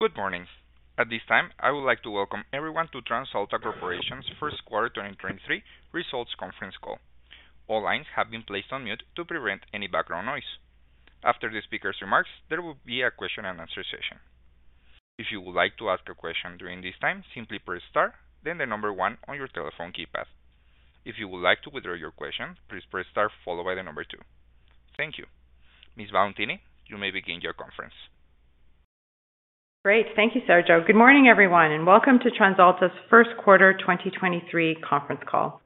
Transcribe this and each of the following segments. Good morning. At this time, I would like to welcome everyone to TransAlta Corporation's 1st quarter 2023 results conference call. All lines have been placed on mute to prevent any background noise. After the speaker's remarks, there will be a question and answer session. If you would like to ask a question during this time, simply press star, then number one on your telephone keypad. If you would like to withdraw your question, please press star followed by number two. Thank you. Ms. Valentini, you may begin your conference. Great. Thank you, Sergio. Good morning, everyone, welcome to TransAlta's first quarter 2023 conference call.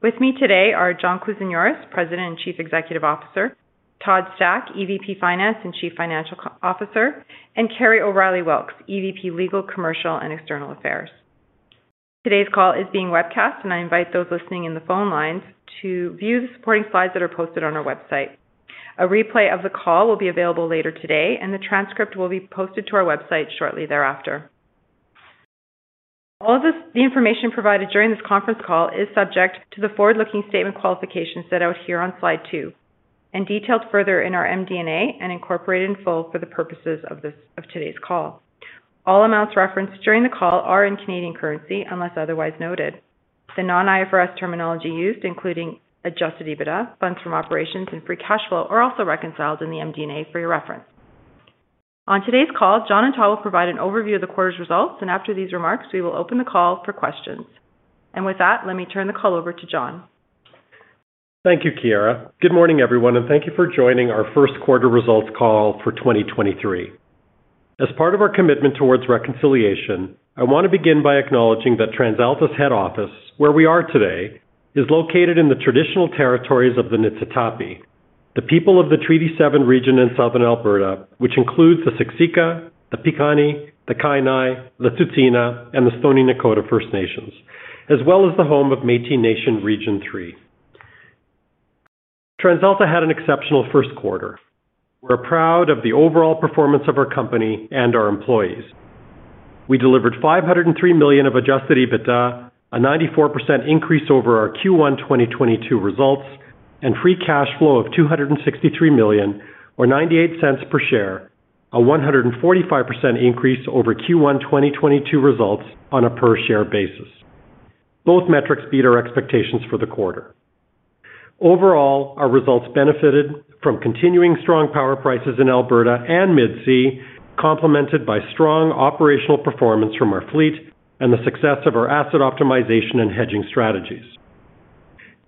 With me today are John Kousinioris, President and Chief Executive Officer, Todd Stack, EVP Finance and Chief Financial Officer, and Kerry O'Reilly Wilks, EVP, Legal, Commercial and External Affairs. Today's call is being webcast, I invite those listening in the phone lines to view the supporting slides that are posted on our website. A replay of the call will be available later today, the transcript will be posted to our website shortly thereafter. The information provided during this conference call is subject to the forward-looking statement qualifications set out here on slide 2 and detailed further in our MD&A and incorporated in full for the purposes of today's call. All amounts referenced during the call are in Canadian currency, unless otherwise noted. The non-IFRS terminology used, including adjusted EBITDA, funds from operations, and free cash flow, are also reconciled in the MD&A for your reference. On today's call, John and Todd will provide an overview of the quarter's results, and after these remarks, we will open the call for questions. With that, let me turn the call over to John. Thank you, Chiara. Good morning, everyone, and thank you for joining our first quarter results call for 2023. As part of our commitment towards reconciliation, I want to begin by acknowledging that TransAlta's head office, where we are today, is located in the traditional territories of the Niitsitapi, the people of the Treaty 7 region in Southern Alberta, which includes the Siksika, the Piikani, the Kainai, the Tsuut'ina, and the Stoney Nakoda First Nations, as well as the home of Métis Nation Region 3. TransAlta had an exceptional first quarter. We're proud of the overall performance of our company and our employees. We delivered 503 million of adjusted EBITDA, a 94% increase over our Q1 2022 results, and free cash flow of 263 million or 0.98 per share, a 145% increase over Q1 2022 results on a per-share basis. Both metrics beat our expectations for the quarter. Overall, our results benefited from continuing strong power prices in Alberta and Mid-C, complemented by strong operational performance from our fleet and the success of our asset optimization and hedging strategies.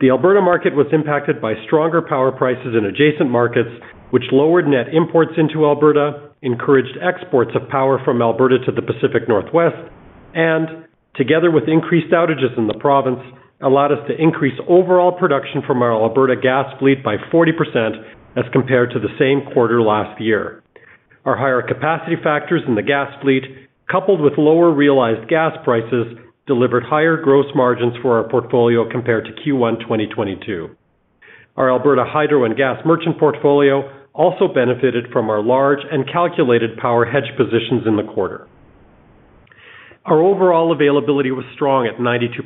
The Alberta market was impacted by stronger power prices in adjacent markets, which lowered net imports into Alberta, encouraged exports of power from Alberta to the Pacific Northwest, and together with increased outages in the province, allowed us to increase overall production from our Alberta gas fleet by 40% as compared to the same quarter last year. Our higher capacity factors in the gas fleet, coupled with lower realized gas prices, delivered higher gross margins for our portfolio compared to Q1 2022. Our Alberta hydro and gas merchant portfolio also benefited from our large and calculated power hedge positions in the quarter. Our overall availability was strong at 92%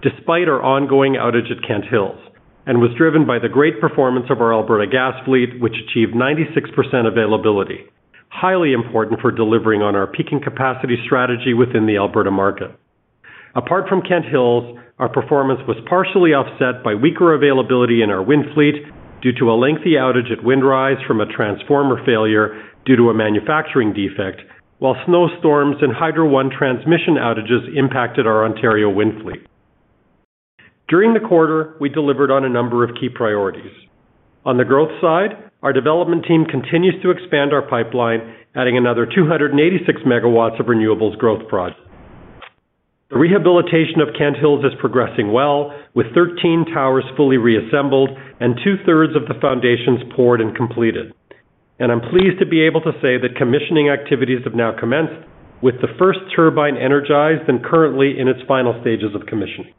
despite our ongoing outage at Kent Hills and was driven by the great performance of our Alberta Gas Fleet, which achieved 96% availability, highly important for delivering on our peaking capacity strategy within the Alberta market. Apart from Kent Hills, our performance was partially offset by weaker availability in our wind fleet due to a lengthy outage at Windrise from a transformer failure due to a manufacturing defect, while snowstorms and Hydro One transmission outages impacted our Ontario wind fleet. During the quarter, we delivered on a number of key priorities. On the growth side, our development team continues to expand our pipeline, adding another 286 MW of renewables growth projects. The rehabilitation of Kent Hills is progressing well, with 13 towers fully reassembled and two-thirds of the foundations poured and completed. I'm pleased to be able to say that commissioning activities have now commenced, with the first turbine energized and currently in its final stages of commissioning.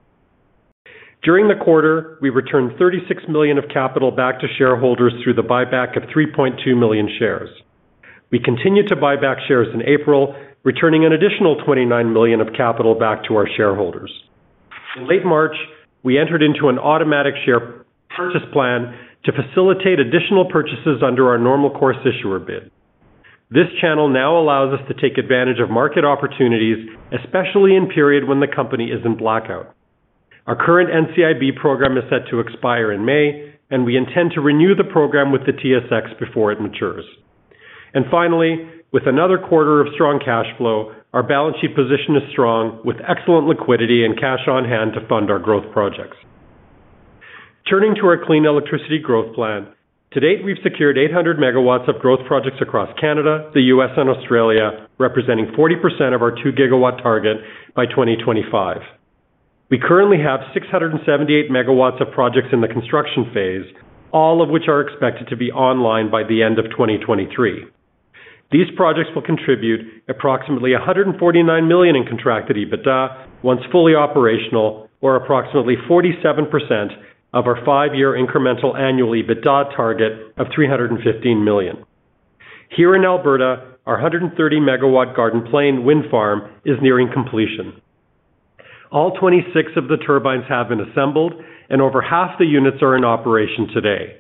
During the quarter, we returned 36 million of capital back to shareholders through the buyback of 3.2 million shares. We continued to buy back shares in April, returning an additional 29 million of capital back to our shareholders. In late March, we entered into an automatic share purchase plan to facilitate additional purchases under our normal course issuer bid. This channel now allows us to take advantage of market opportunities, especially in period when the company is in blackout. Our current NCIB program is set to expire in May, and we intend to renew the program with the TSX before it matures. Finally, with another quarter of strong cash flow, our balance sheet position is strong, with excellent liquidity and cash on hand to fund our growth projects. Turning to our clean electricity growth plan. To date, we've secured 800 MW of growth projects across Canada, the US, and Australia, representing 40% of our 2 GW target by 2025. We currently have 678 megawatts of projects in the construction phase, all of which are expected to be online by the end of 2023. These projects will contribute approximately 149 million in contracted EBITDA once fully operational or approximately 47% of our five-year incremental annual EBITDA target of 315 million. Here in Alberta, our 130 MW Garden Plain Wind Farm is nearing completion. All 26 of the turbines have been assembled and over half the units are in operation today.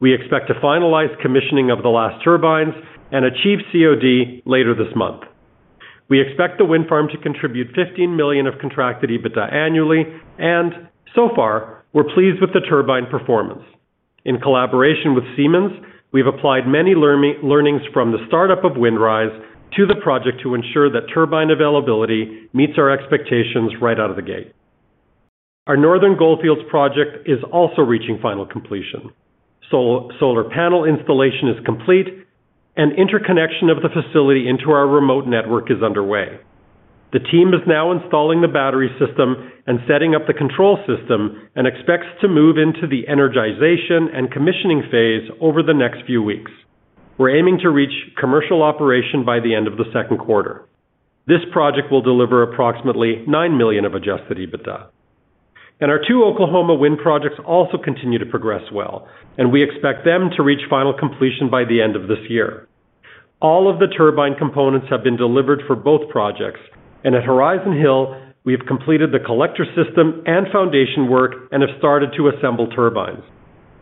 We expect to finalize commissioning of the last turbines and achieve COD later this month. We expect the wind farm to contribute 15 million of contracted EBITDA annually, and so far, we're pleased with the turbine performance. In collaboration with Siemens, we've applied many learnings from the startup of Windrise to the project to ensure that turbine availability meets our expectations right out of the gate. Our Northern Goldfields project is also reaching final completion. Solar panel installation is complete. Interconnection of the facility into our remote network is underway. The team is now installing the battery system and setting up the control system and expects to move into the energization and commissioning phase over the next few weeks. We're aiming to reach commercial operation by the end of the second quarter. This project will deliver approximately 9 million of adjusted EBITDA. Our 2 Oklahoma wind projects also continue to progress well, and we expect them to reach final completion by the end of this year. All of the turbine components have been delivered for both projects. At Horizon Hill, we have completed the collector system and foundation work and have started to assemble turbines.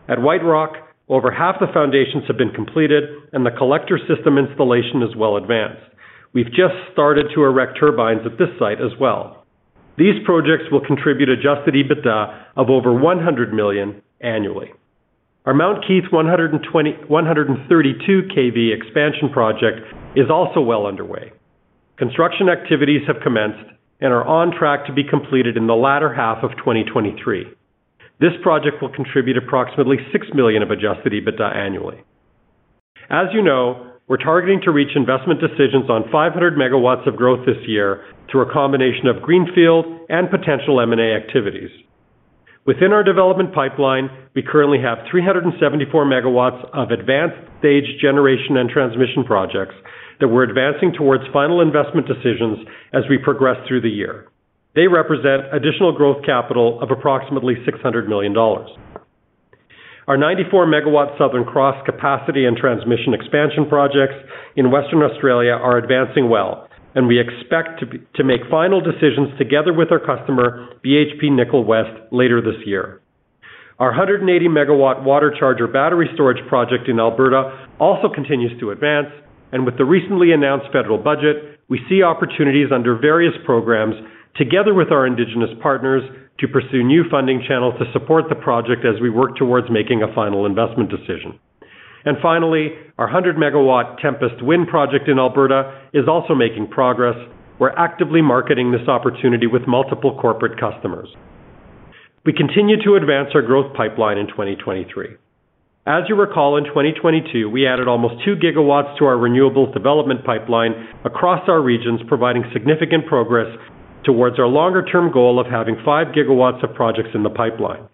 At White Rock, over half the foundations have been completed and the collector system installation is well advanced. We've just started to erect turbines at this site as well. These projects will contribute adjusted EBITDA of over 100 million annually. Our Mount Keith 132 KV expansion project is also well underway. Construction activities have commenced and are on track to be completed in the latter half of 2023. This project will contribute approximately 6 million of adjusted EBITDA annually. As you know, we're targeting to reach investment decisions on 500 MW of growth this year through a combination of greenfield and potential M&A activities. Within our development pipeline, we currently have 374 MW of advanced stage generation and transmission projects that we're advancing towards final investment decisions as we progress through the year. They represent additional growth capital of approximately 600 million dollars. Our 94 MW Southern Cross capacity and transmission expansion projects in Western Australia are advancing well. We expect to make final decisions together with our customer, BHP Nickel West, later this year. Our 180 MW WaterCharger battery storage project in Alberta also continues to advance. With the recently announced federal budget, we see opportunities under various programs together with our indigenous partners to pursue new funding channels to support the project as we work towards making a final investment decision. Finally, our 100 MW Tempest Wind Project in Alberta is also making progress. We're actively marketing this opportunity with multiple corporate customers. We continue to advance our growth pipeline in 2023. As you recall, in 2022, we added almost 2 GW to our renewables development pipeline across our regions, providing significant progress towards our longer term goal of having 5 GW of projects in the pipeline.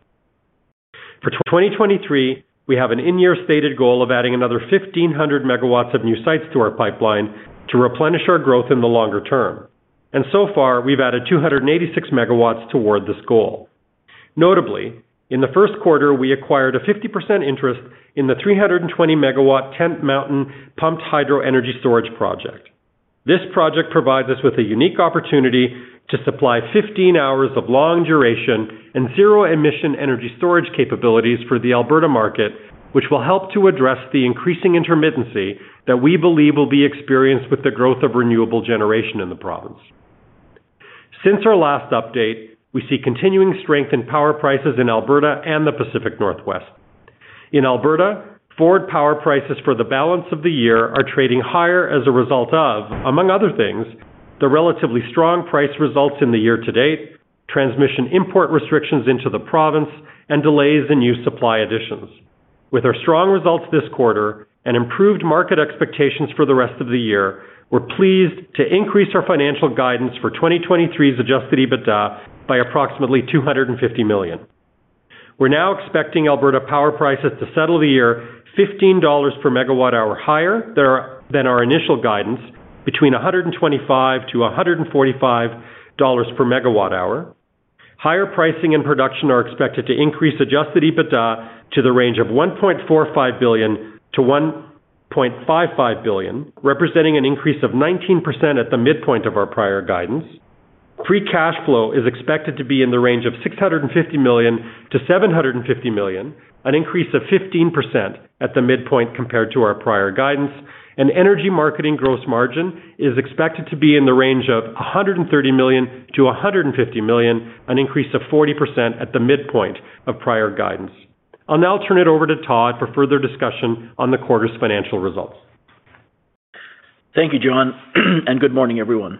For 2023, we have an in-year stated goal of adding another 1,500 MW of new sites to our pipeline to replenish our growth in the longer term. So far, we've added 286 MW toward this goal. Notably, in the first quarter, we acquired a 50% interest in the 320 MW Tent Mountain pumped hydro energy storage project. This project provides us with a unique opportunity to supply 15 hours of long duration and zero-emission energy storage capabilities for the Alberta market, which will help to address the increasing intermittency that we believe will be experienced with the growth of renewable generation in the province. Since our last update, we see continuing strength in power prices in Alberta and the Pacific Northwest. In Alberta, forward power prices for the balance of the year are trading higher as a result of, among other things, the relatively strong price results in the year to date, transmission import restrictions into the province, and delays in new supply additions. With our strong results this quarter and improved market expectations for the rest of the year, we're pleased to increase our financial guidance for 2023's adjusted EBITDA by approximately 250 million. We're now expecting Alberta power prices to settle the year 15 dollars per megawatt hour higher than our initial guidance, between 125-145 dollars per megawatt hour. Higher pricing and production are expected to increase adjusted EBITDA to the range of 1.45 billion-1.55 billion, representing an increase of 19% at the midpoint of our prior guidance. Free cash flow is expected to be in the range of 650 million-750 million, an increase of 15% at the midpoint compared to our prior guidance. Energy marketing gross margin is expected to be in the range of 130 million-150 million, an increase of 40% at the midpoint of prior guidance. I'll now turn it over to Todd for further discussion on the quarter's financial results. Thank you, John. Good morning, everyone.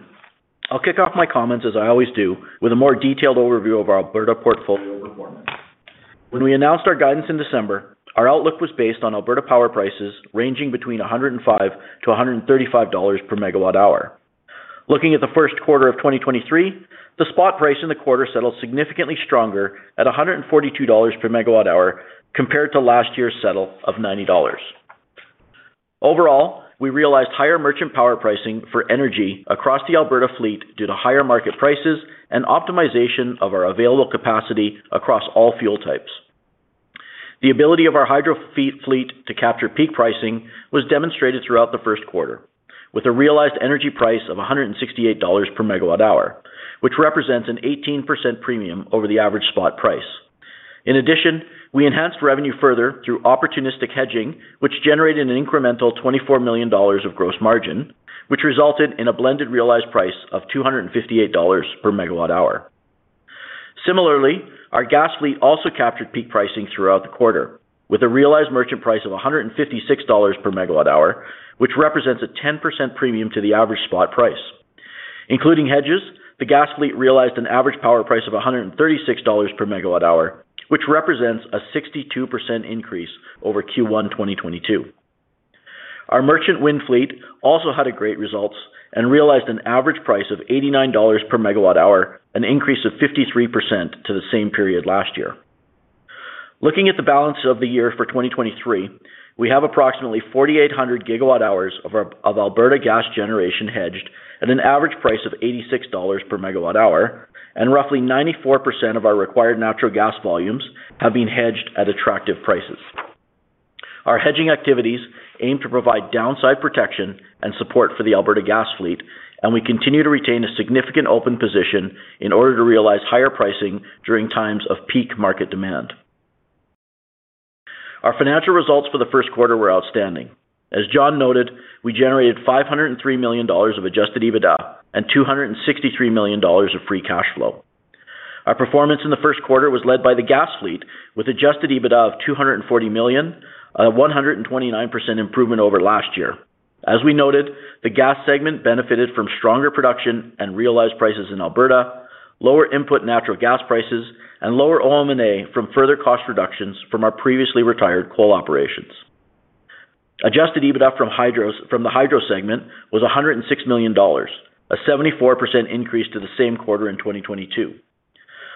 I'll kick off my comments as I always do with a more detailed overview of our Alberta portfolio performance. When we announced our guidance in December, our outlook was based on Alberta power prices ranging between 105-135 dollars MWh. Looking at the 1st quarter of 2023, the spot price in the quarter settled significantly stronger at 142 dollars per MWh compared to last year's settle of 90 dollars. Overall, we realized higher merchant power pricing for energy across the Alberta fleet due to higher market prices and optimization of our available capacity across all fuel types. The ability of our hydro fleet to capture peak pricing was demonstrated throughout the first quarter, with a realized energy price of 168 dollars per MWh, which represents an 18% premium over the average spot price. In addition, we enhanced revenue further through opportunistic hedging, which generated an incremental 24 million dollars of gross margin, which resulted in a blended realized price of 258 dollars per MWh. Similarly, our gas fleet also captured peak pricing throughout the quarter, with a realized merchant price of 156 dollars per MWh, which represents a 10% premium to the average spot price. Including hedges, the gas fleet realized an average power price of 136 dollars per MWh, which represents a 62% increase over Q1 2022. Our merchant wind fleet also had great results and realized an average price of 89 dollars per MWh, an increase of 53% to the same period last year. Looking at the balance of the year for 2023, we have approximately 4,800 GWh of Alberta gas generation hedged at an average price of 86 dollars per MWh, and roughly 94% of our required natural gas volumes have been hedged at attractive prices. Our hedging activities aim to provide downside protection and support for the Alberta gas fleet. We continue to retain a significant open position in order to realize higher pricing during times of peak market demand. Our financial results for the first quarter were outstanding. As John noted, we generated 503 million dollars of adjusted EBITDA and 263 million dollars of free cash flow. Our performance in the first quarter was led by the gas fleet with adjusted EBITDA of 240 million, a 129% improvement over last year. As we noted, the gas segment benefited from stronger production and realized prices in Alberta, lower input natural gas prices, and lower OM&A from further cost reductions from our previously retired coal operations. Adjusted EBITDA from the hydro segment was 106 million dollars, a 74% increase to the same quarter in 2022.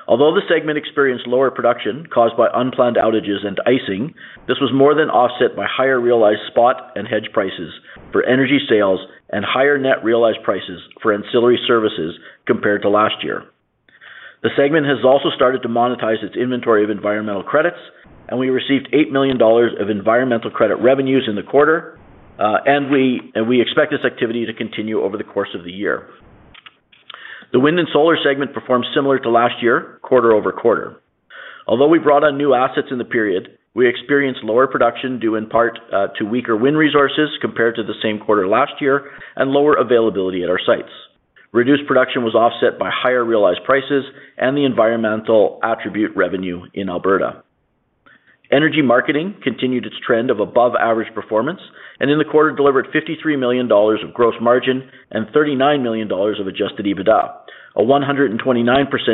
Although the segment experienced lower production caused by unplanned outages and icing, this was more than offset by higher realized spot and hedge prices for energy sales and higher net realized prices for ancillary services compared to last year. The segment has also started to monetize its inventory of environmental credits, and we received 8 million dollars of environmental credit revenues in the quarter. And we expect this activity to continue over the course of the year. The wind and solar segment performed similar to last year, quarter-over-quarter. We brought on new assets in the period, we experienced lower production due in part to weaker wind resources compared to the same quarter last year and lower availability at our sites. Reduced production was offset by higher realized prices and the environmental attribute revenue in Alberta. Energy marketing continued its trend of above-average performance, and in the quarter delivered 53 million dollars of gross margin and 39 million dollars of adjusted EBITDA, a 129%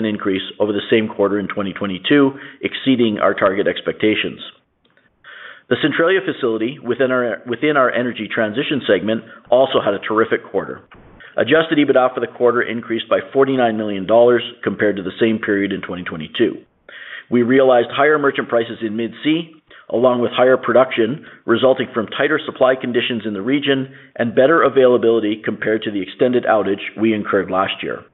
increase over the same quarter in 2022, exceeding our target expectations. The Centralia facility within our energy transition segment also had a terrific quarter. Adjusted EBITDA for the quarter increased by 49 million dollars compared to the same period in 2022. We realized higher merchant prices in Mid-C, along with higher production resulting from tighter supply conditions in the region and better availability compared to the extended outage we incurred last year.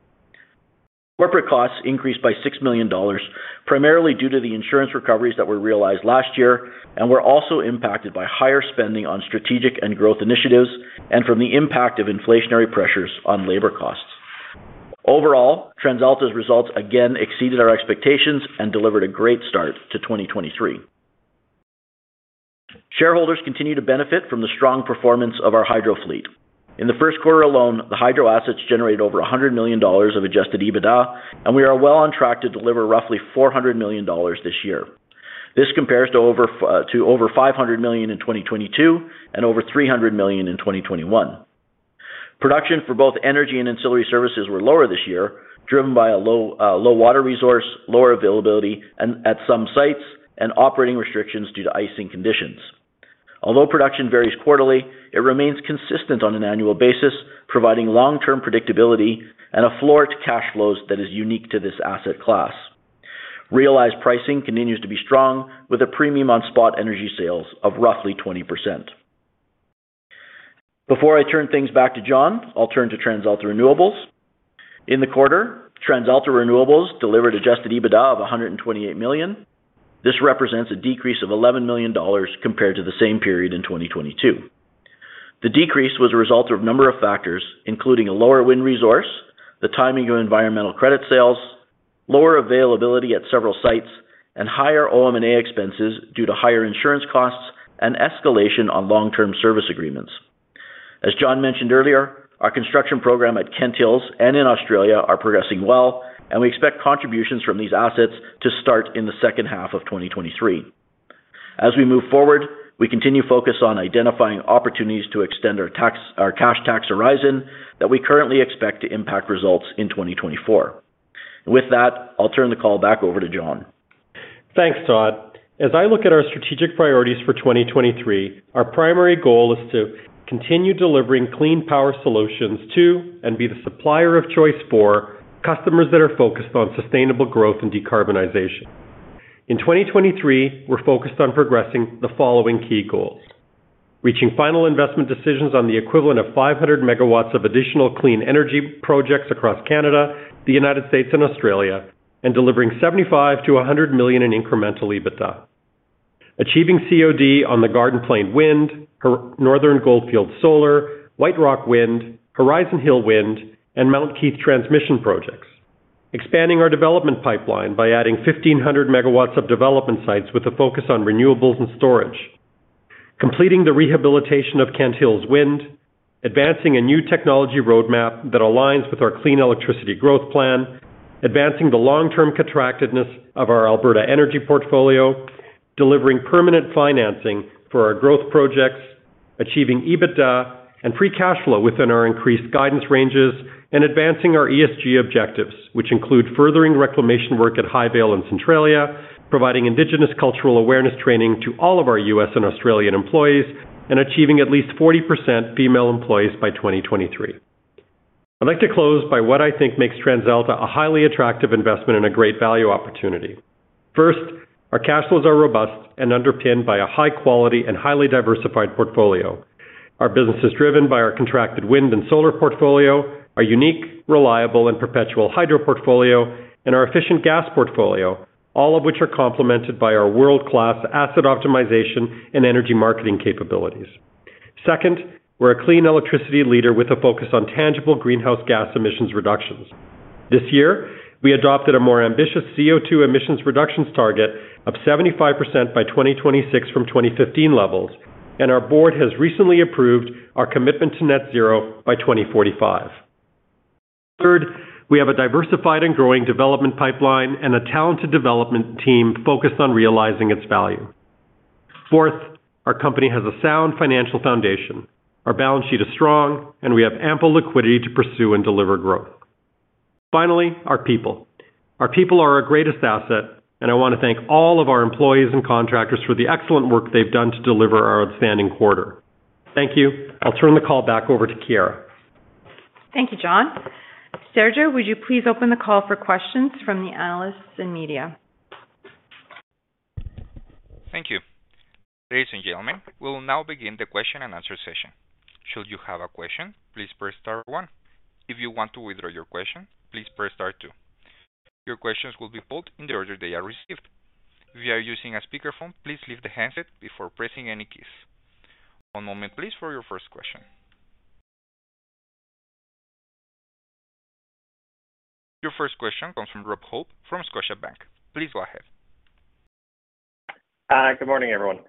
Corporate costs increased by 6 million dollars, primarily due to the insurance recoveries that were realized last year, and were also impacted by higher spending on strategic and growth initiatives and from the impact of inflationary pressures on labor costs. Overall, TransAlta's results again exceeded our expectations and delivered a great start to 2023. Shareholders continue to benefit from the strong performance of our hydro fleet. In the first quarter alone, the hydro assets generated over 100 million dollars of adjusted EBITDA, and we are well on track to deliver roughly 400 million dollars this year. This compares to over to over 500 million in 2022 and over 300 million in 2021. Production for both energy and ancillary services were lower this year, driven by a low low water resource, lower availability at some sites, and operating restrictions due to icing conditions. Although production varies quarterly, it remains consistent on an annual basis, providing long-term predictability and a floor to cash flows that is unique to this asset class. Realized pricing continues to be strong, with a premium on spot energy sales of roughly 20%. Before I turn things back to John, I'll turn to TransAlta Renewables. In the quarter, TransAlta Renewables delivered adjusted EBITDA of 128 million. This represents a decrease of 11 million dollars compared to the same period in 2022. The decrease was a result of a number of factors, including a lower wind resource, the timing of environmental credit sales, lower availability at several sites, and higher OM&A expenses due to higher insurance costs and escalation on long-term service agreements. As John mentioned earlier, our construction program at Kent Hills and in Australia are progressing well, and we expect contributions from these assets to start in the second half of 2023. As we move forward, we continue focus on identifying opportunities to extend our cash tax horizon that we currently expect to impact results in 2024. With that, I'll turn the call back over to John. Thanks, Todd. As I look at our strategic priorities for 2023, our primary goal is to continue delivering clean power solutions to and be the supplier of choice for customers that are focused on sustainable growth and decarbonization. In 2023, we're focused on progressing the following key goals. Reaching final investment decisions on the equivalent of 500 MW of additional clean energy projects across Canada, the United States, and Australia, and delivering 75 million-100 million in incremental EBITDA. Achieving COD on the Garden Plain Wind, Northern Goldfield Solar, White Rock Wind, Horizon Hill Wind, and Mount Keith Transmission projects. Expanding our development pipeline by adding 1,500 MW of development sites with a focus on renewables and storage. Completing the rehabilitation of Kent Hills Wind, advancing a new technology roadmap that aligns with our clean electricity growth plan, advancing the long-term contractiveness of our Alberta Energy portfolio, delivering permanent financing for our growth projects, achieving EBITDA and free cash flow within our increased guidance ranges, and advancing our ESG objectives, which include furthering reclamation work at Highvale and Centralia, providing indigenous cultural awareness training to all of our U.S. and Australian employees, and achieving at least 40% female employees by 2023. I'd like to close by what I think makes TransAlta a highly attractive investment and a great value opportunity. Our cash flows are robust and underpinned by a high quality and highly diversified portfolio. Our business is driven by our contracted wind and solar portfolio, our unique, reliable, and perpetual hydro portfolio, and our efficient gas portfolio, all of which are complemented by our world-class asset optimization and energy marketing capabilities. Second, we're a clean electricity leader with a focus on tangible greenhouse gas emissions reductions. This year, we adopted a more ambitious CO₂ emissions reductions target of 75% by 2026 from 2015 levels. Our board has recently approved our commitment to net zero by 2045. Third, we have a diversified and growing development pipeline and a talented development team focused on realizing its value. Fourth, our company has a sound financial foundation. Our balance sheet is strong. We have ample liquidity to pursue and deliver growth. Finally, our people. Our people are our greatest asset. I want to thank all of our employees and contractors for the excellent work they've done to deliver our outstanding quarter. Thank you. I'll turn the call back over to Chiara. Thank you, John. Sergio, would you please open the call for questions from the analysts and media? Thank you. Ladies and gentlemen, we will now begin the question and answer session. Should you have a question, please press star one. If you want to withdraw your question, please press star two. Your questions will be put in the order they are received. If you are using a speakerphone, please leave the handset before pressing any keys. One moment, please, for your first question. Your first question comes from Rob Hope from Scotiabank. Please go ahead. Good morning, everyone.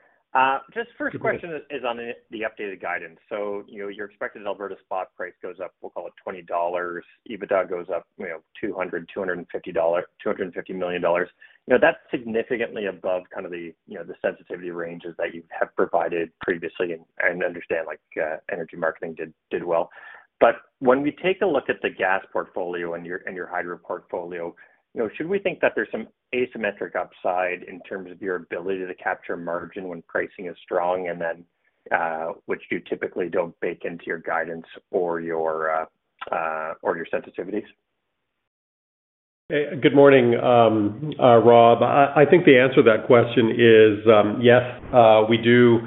Just first question is on the updated guidance. You know, your expected Alberta spot price goes up, we'll call it 20 dollars. EBITDA goes up, you know, 200 million-250 million dollars. You know, that's significantly above kind of the, you know, the sensitivity ranges that you have provided previously. I understand, like, energy marketing did well. When we take a look at the gas portfolio and your, and your hydro portfolio, you know, should we think that there's some asymmetric upside in terms of your ability to capture margin when pricing is strong and then, which you typically don't bake into your guidance or your, or your sensitivities? Good morning, Rob. I think the answer to that question is, yes, we do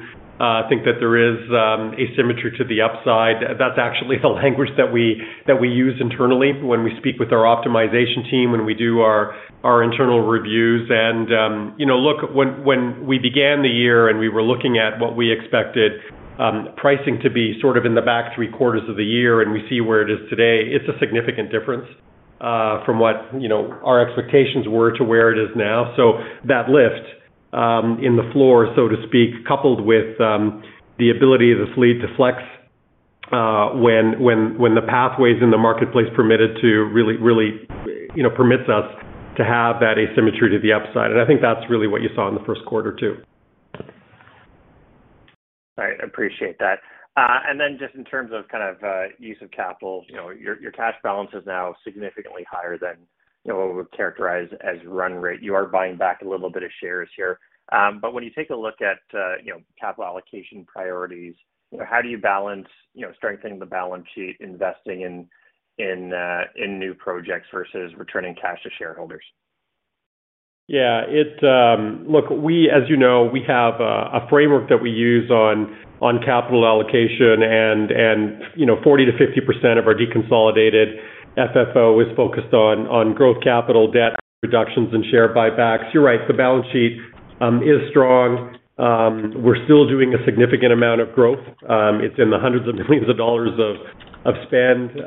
think that there is asymmetry to the upside. That's actually the language that we use internally when we speak with our optimization team, when we do our internal reviews. You know, look, when we began the year and we were looking at what we expected pricing to be sort of in the back three-quarters of the year and we see where it is today, it's a significant difference from what, you know, our expectations were to where it is now. That lift in the floor, so to speak, coupled with the ability of this lead to flex when the pathways in the marketplace permitted to really, you know, permits us to have that asymmetry to the upside. I think that's really what you saw in the first quarter too. All right, I appreciate that. Just in terms of kind of, use of capital, you know, your cash balance is now significantly higher than, you know, what we would characterize as run rate. You are buying back a little bit of shares here. When you take a look at, you know, capital allocation priorities, you know, how do you balance, you know, strengthening the balance sheet, investing in, new projects versus returning cash to shareholders? Yeah. It's... Look, we, as you know, we have a framework that we use on capital allocation and, you know, 40%-50% of our deconsolidated FFO is focused on growth capital, debt reductions, and share buybacks. You're right, the balance sheet is strong. We're still doing a significant amount of growth. It's in the hundreds of millions of CAD of spend.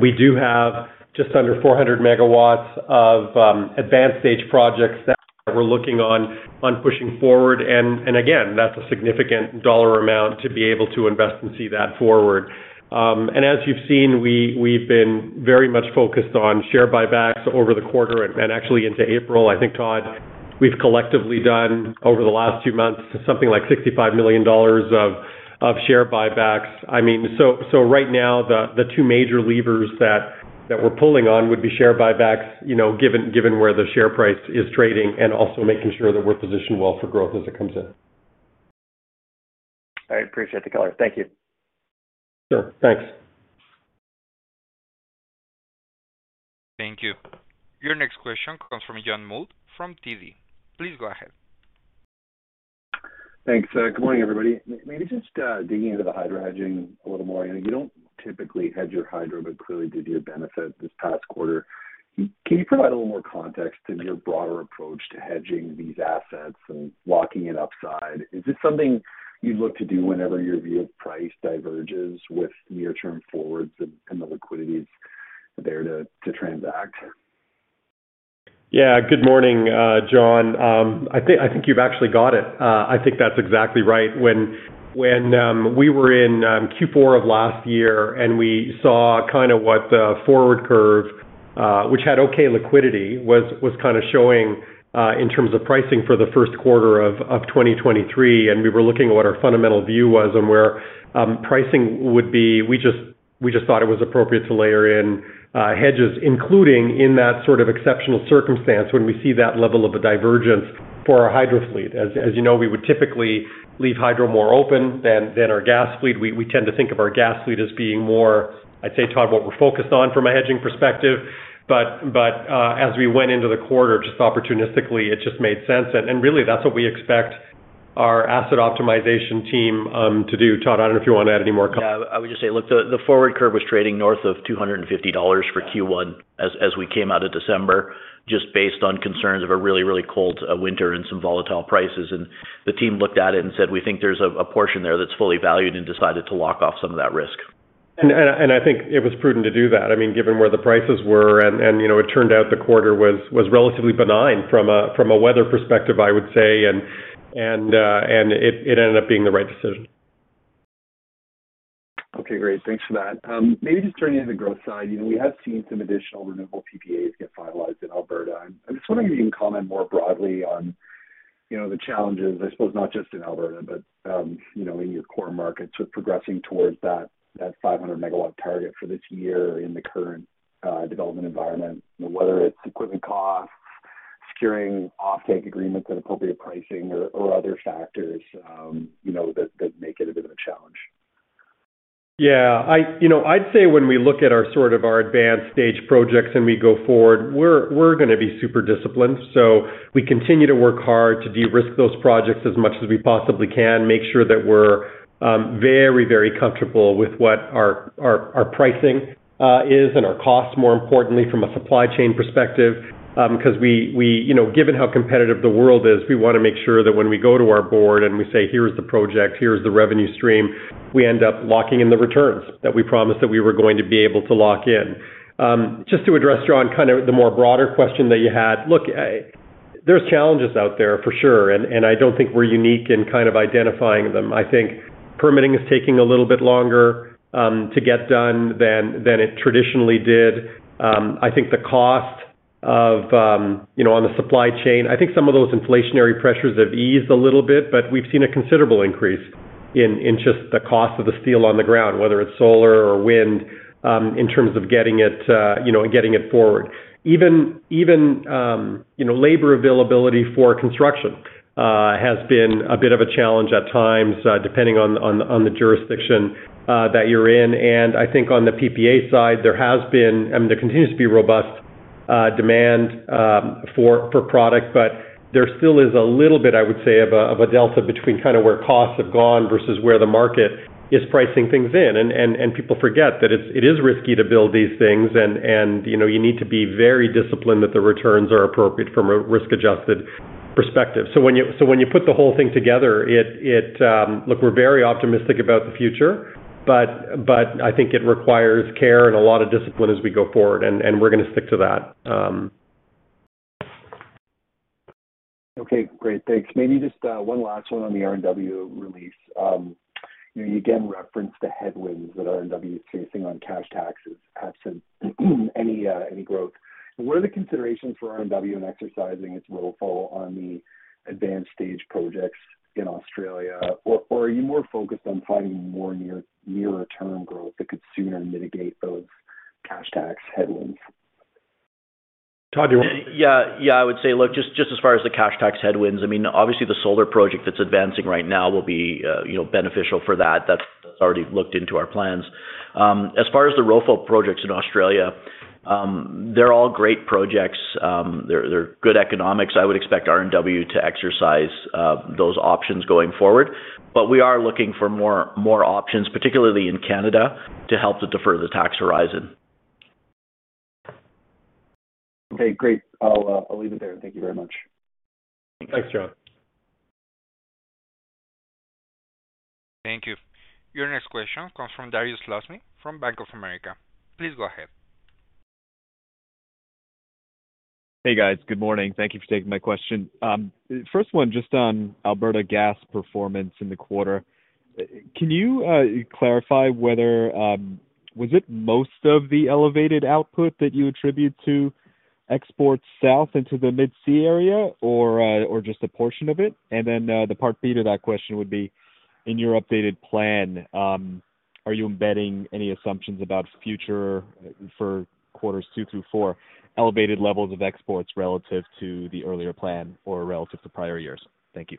We do have just under 400 MW of advanced stage projects that we're looking on pushing forward. Again, that's a significant CAD amount to be able to invest and see that forward. As you've seen, we've been very much focused on share buybacks over the quarter and actually into April. I think, Todd, we've collectively done over the last two months, something like 65 million dollars of share buybacks. I mean, right now the two major levers that we're pulling on would be share buybacks, you know, given where the share price is trading and also making sure that we're positioned well for growth as it comes in. I appreciate the color. Thank you. Sure. Thanks. Thank you. Your next question comes from John Mould from TD. Please go ahead. Thanks. Good morning, everybody. Maybe just digging into the hydro hedging a little more. I know you don't typically hedge your hydro, but clearly did you a benefit this past quarter. Can you provide a little more context into your broader approach to hedging these assets and locking in upside? Is this something you look to do whenever your view of price diverges with near-term forwards and the liquidity is there to transact? Good morning, John. I think you've actually got it. I think that's exactly right. When we were in Q4 of last year and we saw kind of what the forward curve, which had okay liquidity, was kind of showing in terms of pricing for the first quarter of 2023, and we were looking at what our fundamental view was and where pricing would be. We just thought it was appropriate to layer in hedges, including in that sort of exceptional circumstance when we see that level of a divergence for our hydro fleet. As you know, we would typically leave hydro more open than our gas fleet. We tend to think of our gas fleet as being more, I'd say, Todd, what we're focused on from a hedging perspective. As we went into the quarter, just opportunistically, it just made sense. Really, that's what we expect our asset optimization team to do. Todd, I don't know if you want to add any more comment. Yeah. I would just say, look, the forward curve was trading north of 250 dollars for Q1 as we came out of December, just based on concerns of a really, really cold winter and some volatile prices. The team looked at it and said, "We think there's a portion there that's fully valued," and decided to lock off some of that risk. I think it was prudent to do that, I mean, given where the prices were and, you know, it turned out the quarter was relatively benign from a weather perspective, I would say. It ended up being the right decision. Okay, great. Thanks for that. Maybe just turning to the growth side. You know, we have seen some additional renewable PPAs get finalized in Alberta. I'm just wondering if you can comment more broadly on, you know, the challenges, I suppose, not just in Alberta, but, you know, in your core markets with progressing towards that 500 MW target for this year in the current development environment. You know, whether it's equipment costs, securing offtake agreements at appropriate pricing or other factors, you know, that make it a bit of a challenge. Yeah. You know, I'd say when we look at our sort of our advanced stage projects and we go forward, we're gonna be super disciplined. We continue to work hard to de-risk those projects as much as we possibly can, make sure that we're very comfortable with what our pricing is and our costs, more importantly, from a supply chain perspective. 'Cause You know, given how competitive the world is, we wanna make sure that when we go to our board and we say, "Here's the project, here's the revenue stream," we end up locking in the returns that we promised that we were going to be able to lock in. Just to address, John, kind of the more broader question that you had. Look, there's challenges out there for sure. I don't think we're unique in kind of identifying them. I think permitting is taking a little bit longer to get done than it traditionally did. I think the cost of, you know, on the supply chain, I think some of those inflationary pressures have eased a little bit, but we've seen a considerable increase in just the cost of the steel on the ground, whether it's solar or wind, in terms of getting it, you know, getting it forward. Labor availability for construction has been a bit of a challenge at times, depending on the jurisdiction that you're in. I think on the PPA side, there has been, I mean, there continues to be robust demand for product, but there still is a little bit, I would say, of a delta between kinda where costs have gone versus where the market is pricing things in. People forget that it is risky to build these things and, you know, you need to be very disciplined that the returns are appropriate from a risk-adjusted perspective. When you put the whole thing together, it. Look, we're very optimistic about the future, but I think it requires care and a lot of discipline as we go forward, and we're gonna stick to that. Great. Thanks. Maybe just one last one on the RNW release. You know, you again referenced the headwinds that RNW is facing on cash taxes absent any growth. What are the considerations for RNW in exercising its ROFO on the advanced stage projects in Australia? Or are you more focused on finding more nearer-term growth that could sooner mitigate those cash tax headwinds? Todd, do you want- Yeah, I would say, look, just as far as the cash tax headwinds, I mean, obviously the solar project that's advancing right now will be, you know, beneficial for that. That's already looked into our plans. As far as the ROFO projects in Australia, they're all great projects. They're good economics. I would expect RNW to exercise those options going forward. We are looking for more options, particularly in Canada, to help to defer the tax horizon. Okay, great. I'll leave it there. Thank you very much. Thanks, John. Thank you. Your next question comes from Dariusz Lozny from Bank of America. Please go ahead. Hey, guys. Good morning. Thank you for taking my question. First one just on Alberta gas performance in the quarter. Can you clarify whether was it most of the elevated output that you attribute to export south into the Mid-C area or just a portion of it? The part B to that question would be, in your updated plan, are you embedding any assumptions about future for quarters two through four, elevated levels of exports relative to the earlier plan or relative to prior years? Thank you.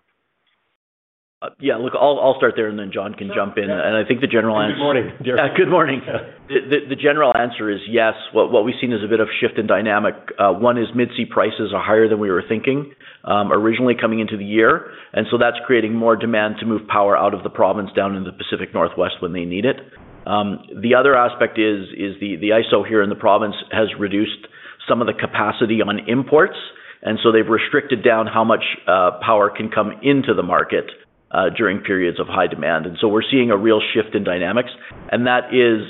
yeah, look, I'll start there and then John can jump in. I think the general answer-. Good morning, Darius. Yeah, good morning. The general answer is yes. What we've seen is a bit of shift in dynamic. One is Mid-C prices are higher than we were thinking, originally coming into the year. That's creating more demand to move power out of the province down in the Pacific Northwest when they need it. The other aspect is the ISO here in the province has reduced some of the capacity on imports, they've restricted down how much, power can come into the market, during periods of high demand. We're seeing a real shift in dynamics. That is,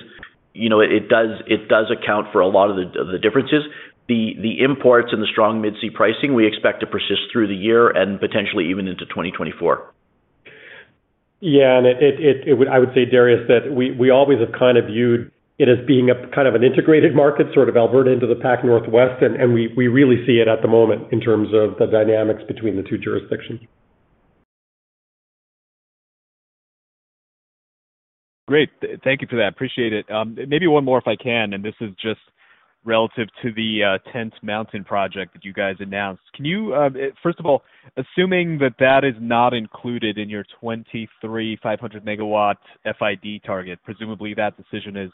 you know, it does account for a lot of the differences. The imports and the strong Mid-C pricing we expect to persist through the year and potentially even into 2024. Yeah. I would say, Darius, that we always have kind of viewed it as being a kind of an integrated market, sort of Alberta into the Pac Northwest. We really see it at the moment in terms of the dynamics between the two jurisdictions. Great. Thank you for that. Appreciate it. Maybe one more if I can, this is just relative to the Tent Mountain project that you guys announced. Can you, first of all, assuming that that is not included in your 2,300 MW FID target, presumably that decision is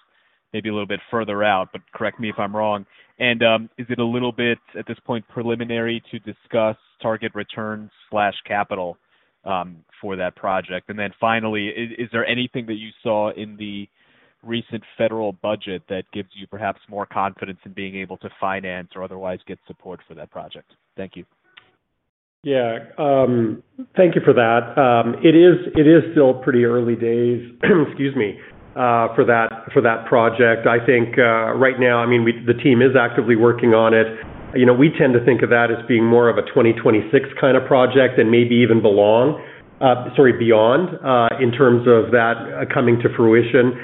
maybe a little bit further out, but correct me if I'm wrong. Is it a little bit, at this point, preliminary to discuss target returns/capital for that project? Finally, is there anything that you saw in the recent federal budget that gives you perhaps more confidence in being able to finance or otherwise get support for that project? Thank you. Yeah. Thank you for that. It is, it is still pretty early days, excuse me, for that, for that project. I think, right now, I mean, the team is actively working on it. You know, we tend to think of that as being more of a 2026 kind of project and maybe even belong, sorry, beyond, in terms of that coming to fruition.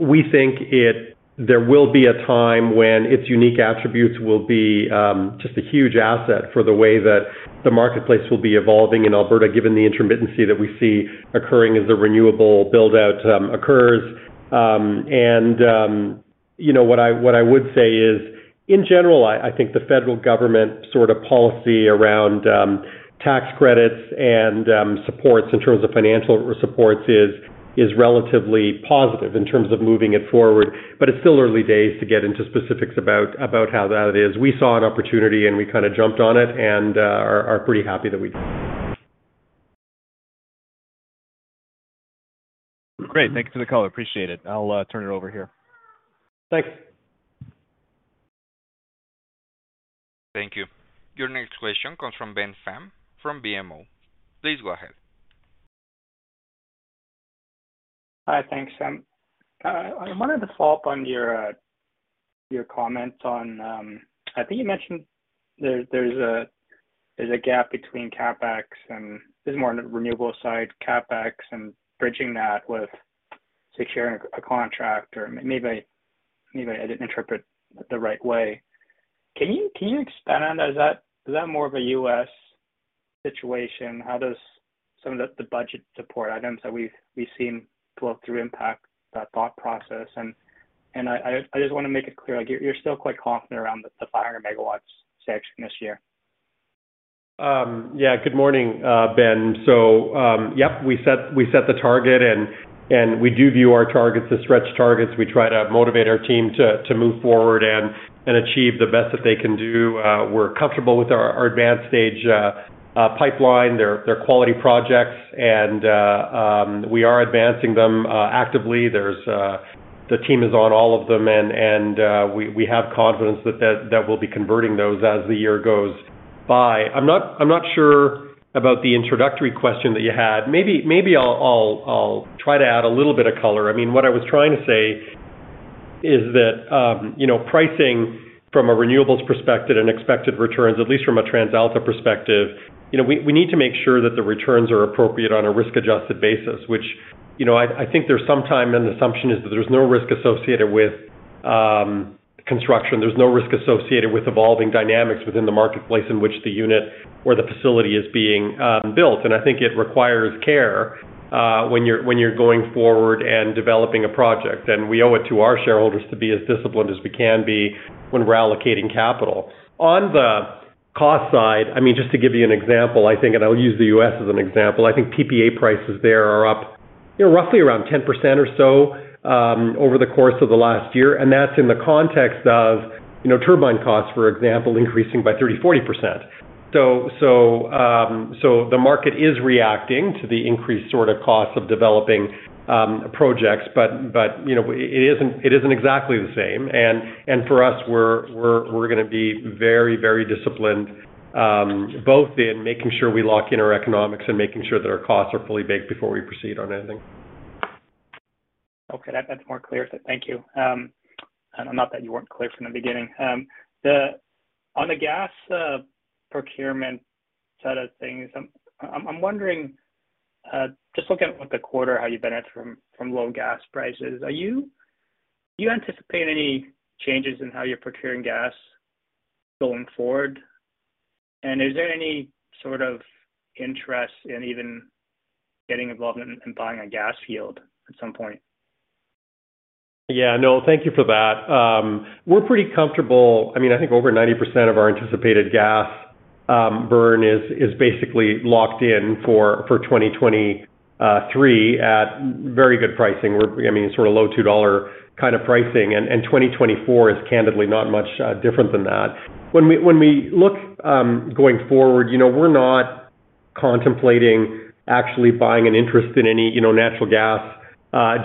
We think there will be a time when its unique attributes will be, just a huge asset for the way that the marketplace will be evolving in Alberta, given the intermittency that we see occurring as the renewable build-out, occurs. You know, what I would say is, in general, I think the federal government sort of policy around tax credits and supports in terms of financial supports is relatively positive in terms of moving it forward. It's still early days to get into specifics about how that is. We saw an opportunity, we kind of jumped on it and are pretty happy that we did. Great. Thanks for the call. Appreciate it. I'll turn it over here. Thanks. Thank you. Your next question comes from Ben Pham from BMO. Please go ahead. Hi. Thanks. I wanted to follow up on your comment on, I think you mentioned there's a gap between CapEx and... This is more on the renewable side, CapEx and bridging that with securing a contract or maybe I didn't interpret the right way. Can you expand on that? Is that more of a U.S. situation? How does some of the budget support items that we've seen flow through impact that thought process? I just wanna make it clear, like you're still quite confident around the 500 MW section this year. Yeah. Good morning, Ben. Yep, we set the target and we do view our targets as stretch targets. We try to motivate our team to move forward and achieve the best that they can do. We're comfortable with our advanced stage pipeline. They're quality projects and we are advancing them actively. There's the team is on all of them and we have confidence that we'll be converting those as the year goes by. I'm not sure about the introductory question that you had. Maybe I'll try to add a little bit of color. I mean, what I was trying to say is that, you know, pricing from a renewables perspective and expected returns, at least from a TransAlta perspective, you know, we need to make sure that the returns are appropriate on a risk-adjusted basis, which, you know, I think there's some time an assumption is that there's no risk associated with construction. There's no risk associated with evolving dynamics within the marketplace in which the unit or the facility is being built. I think it requires care when you're going forward and developing a project. We owe it to our shareholders to be as disciplined as we can be when we're allocating capital. On the cost side, I mean, just to give you an example, I think, and I'll use the U.S. as an example, I think PPA prices there are up, you know, roughly around 10% or so, over the course of the last year. That's in the context of, you know, turbine costs, for example, increasing by 30%-40%. The market is reacting to the increased sort of costs of developing projects, but, you know, it isn't exactly the same. For us, we're gonna be very, very disciplined, both in making sure we lock in our economics and making sure that our costs are fully baked before we proceed on anything. Okay. That's more clear. Thank you. Not that you weren't clear from the beginning. On the gas procurement side of things. I'm wondering, just looking at what the quarter, how you benefit from low gas prices. Do you anticipate any changes in how you're procuring gas going forward? Is there any sort of interest in even getting involved in buying a gas field at some point? Yeah, no, thank you for that. We're pretty comfortable. I mean, I think over 90% of our anticipated gas burn is basically locked in for 2023 at very good pricing. I mean, sort of low 2 dollar kind of pricing. 2024 is candidly not much different than that. When we look going forward, you know, we're not contemplating actually buying an interest in any, you know, natural gas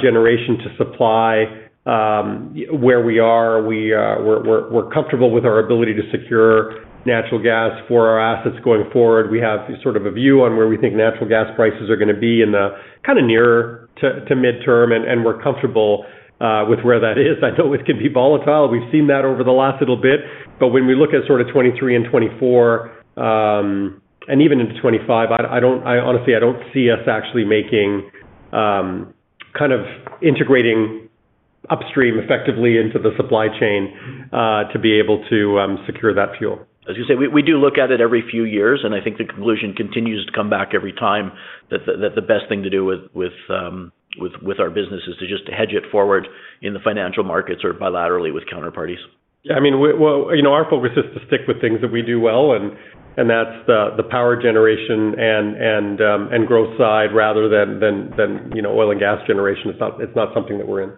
generation to supply where we are. We're comfortable with our ability to secure natural gas for our assets going forward. We have sort of a view on where we think natural gas prices are gonna be in the kinda nearer to midterm, and we're comfortable with where that is. I know it can be volatile. We've seen that over the last little bit. When we look at sort of 23 and 24, and even into 25, I honestly, I don't see us actually making, kind of integrating upstream effectively into the supply chain, to be able to secure that fuel. As you say, we do look at it every few years. I think the conclusion continues to come back every time that the best thing to do with our business is to just hedge it forward in the financial markets or bilaterally with counterparties. I mean, well, you know, our focus is to stick with things that we do well, and that's the power generation and growth side rather than, you know, oil and gas generation. It's not something that we're in.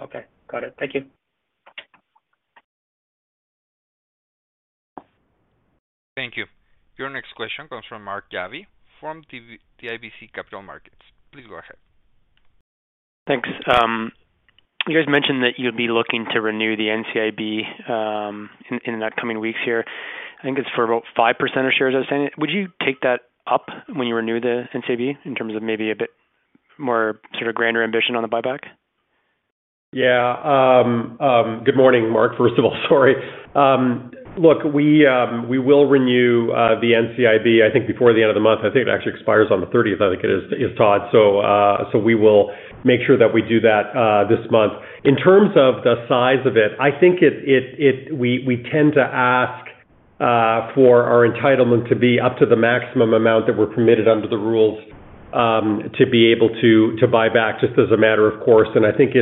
Okay. Got it. Thank you. Thank you. Your next question comes from Mark Jarvi from CIBC Capital Markets. Please go ahead. Thanks. You guys mentioned that you'll be looking to renew the NCIB in the coming weeks here. I think it's for about 5% of shares. Would you take that up when you renew the NCIB in terms of maybe a bit more sort of grander ambition on the buyback? Yeah. good morning, Mark. First of all, sorry. look, we will renew the NCIB, I think, before the end of the month. I think it actually expires on the 30th, I think it is, Todd. We will make sure that we do that this month. In terms of the size of it, I think we tend to ask for our entitlement to be up to the maximum amount that we're permitted under the rules to be able to buy back just as a matter of course. I think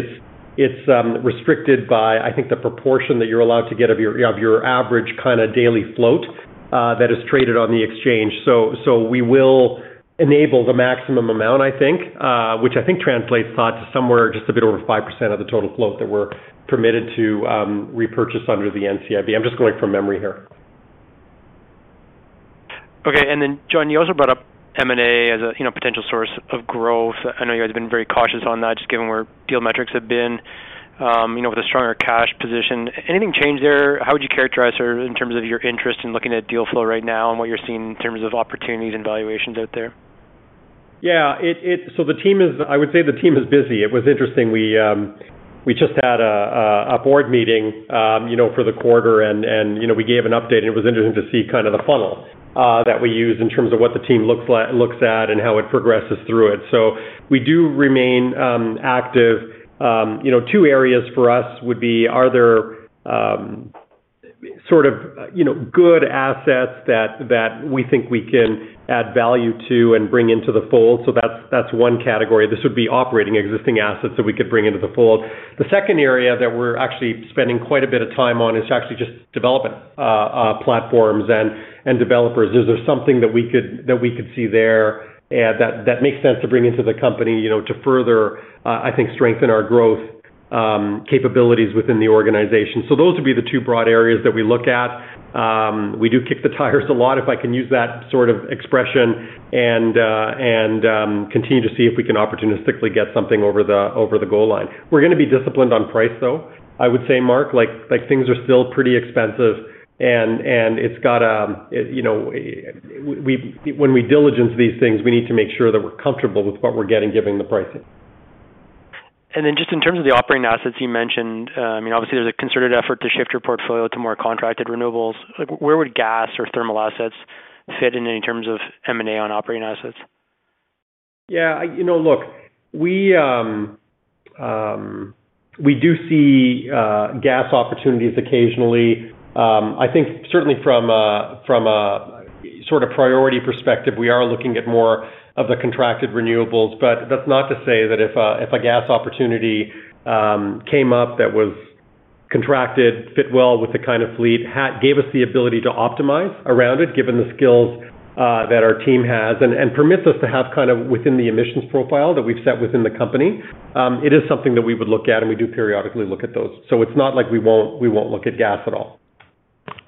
it's restricted by, I think, the proportion that you're allowed to get of your, of your average kinda daily float that is traded on the exchange. We will enable the maximum amount, I think, which I think translates, Todd, to somewhere just a bit over 5% of the total float that we're permitted to, repurchase under the NCIB. I'm just going from memory here. Okay. John, you also brought up M&A as a, you know, potential source of growth. I know you guys have been very cautious on that, just given where deal metrics have been, you know, with a stronger cash position. Anything change there? How would you characterize sort of in terms of your interest in looking at deal flow right now and what you're seeing in terms of opportunities and valuations out there? Yeah. I would say the team is busy. It was interesting. We just had a board meeting, you know, for the quarter and, you know, we gave an update. It was interesting to see kind of the funnel that we use in terms of what the team looks at and how it progresses through it. We do remain active. You know, two areas for us would be, are there, sort of, you know, good assets that we think we can add value to and bring into the fold? That's one category. This would be operating existing assets that we could bring into the fold. The second area that we're actually spending quite a bit of time on is actually just developing platforms and developers. Is there something that we could see there, that makes sense to bring into the company, you know, to further, I think, strengthen our growth capabilities within the organization? Those would be the two broad areas that we look at. We do kick the tires a lot, if I can use that sort of expression, and continue to see if we can opportunistically get something over the goal line. We're gonna be disciplined on price, though. I would say, Mark, like, things are still pretty expensive. You know, when we diligence these things, we need to make sure that we're comfortable with what we're getting, given the pricing. Just in terms of the operating assets you mentioned, I mean, obviously there's a concerted effort to shift your portfolio to more contracted renewables. Like, where would gas or thermal assets fit in in terms of M&A on operating assets? Yeah. You know, look, we do see gas opportunities occasionally. I think certainly from a sort of priority perspective, we are looking at more of the contracted renewables. That's not to say that if a gas opportunity came up that was contracted, fit well with the kind of fleet, gave us the ability to optimize around it, given the skills that our team has and permits us to have kind of within the emissions profile that we've set within the company, it is something that we would look at, and we do periodically look at those. It's not like we won't look at gas at all.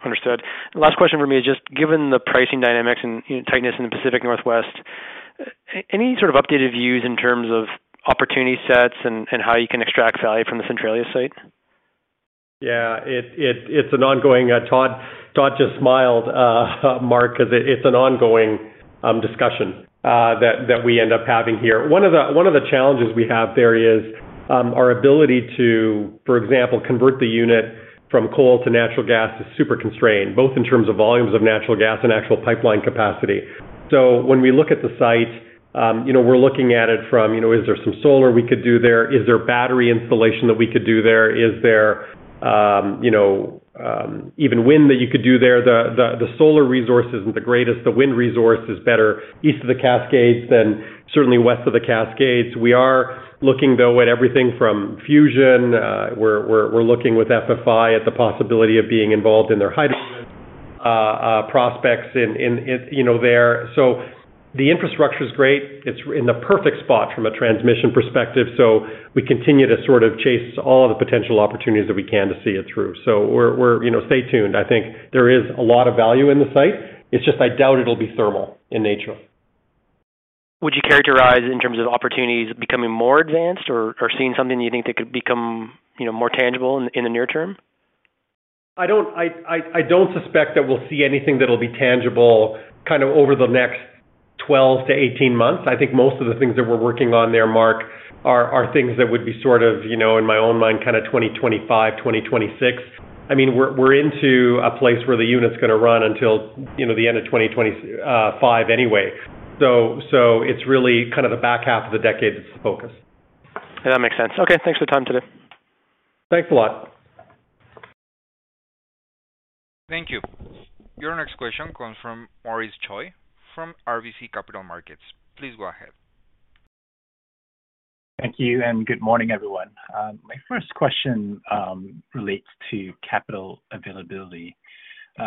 Understood. Last question for me is just given the pricing dynamics and tightness in the Pacific Northwest, any sort of updated views in terms of opportunity sets and how you can extract value from the Centralia site? Yeah. Todd just smiled, Mark, 'cause it's an ongoing discussion that we end up having here. One of the challenges we have there is our ability to, for example, convert the unit from coal to natural gas is super constrained, both in terms of volumes of natural gas and actual pipeline capacity. When we look at the site, you know, we're looking at it from, you know, is there some solar we could do there? Is there battery installation that we could do there? Is there, you know, even wind that you could do there? The solar resource isn't the greatest. The wind resource is better east of the Cascades than certainly west of the Cascades. We are looking though at everything from fusion. We're looking with FFI at the possibility of being involved in their hydrogen prospects in, you know, there. The infrastructure's great. It's in the perfect spot from a transmission perspective. We continue to sort of chase all the potential opportunities that we can to see it through. You know, stay tuned. I think there is a lot of value in the site. It's just I doubt it'll be thermal in nature. Would you characterize in terms of opportunities becoming more advanced or seeing something you think that could become, you know, more tangible in the near term? I don't... I don't suspect that we'll see anything that'll be tangible kind of over the next 12 to 18 months. I think most of the things that we're working on there, Mark, are things that would be sort of, you know, in my own mind, kinda 2025, 2026. I mean, we're into a place where the unit's gonna run until, you know, the end of 2025 anyway. It's really kind of the back half of the decade that's the focus. That makes sense. Thanks for the time today. Thanks a lot. Thank you. Your next question comes from Maurice Choy from RBC Capital Markets. Please go ahead. Thank you, and good morning, everyone. My first question relates to capital availability.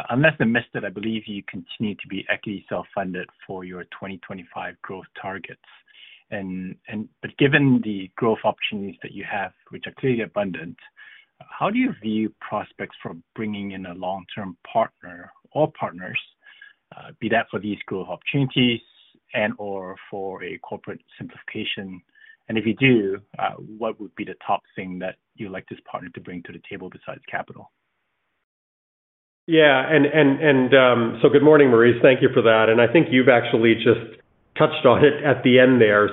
Unless I missed it, I believe you continue to be equity self-funded for your 2025 growth targets. Given the growth opportunities that you have, which are clearly abundant, how do you view prospects for bringing in a long-term partner or partners, be that for these growth opportunities and/or for a corporate simplification? If you do, what would be the top thing that you'd like this partner to bring to the table besides capital? Yeah. Good morning, Maurice. Thank you for that. I think you've actually just touched on it at the end there.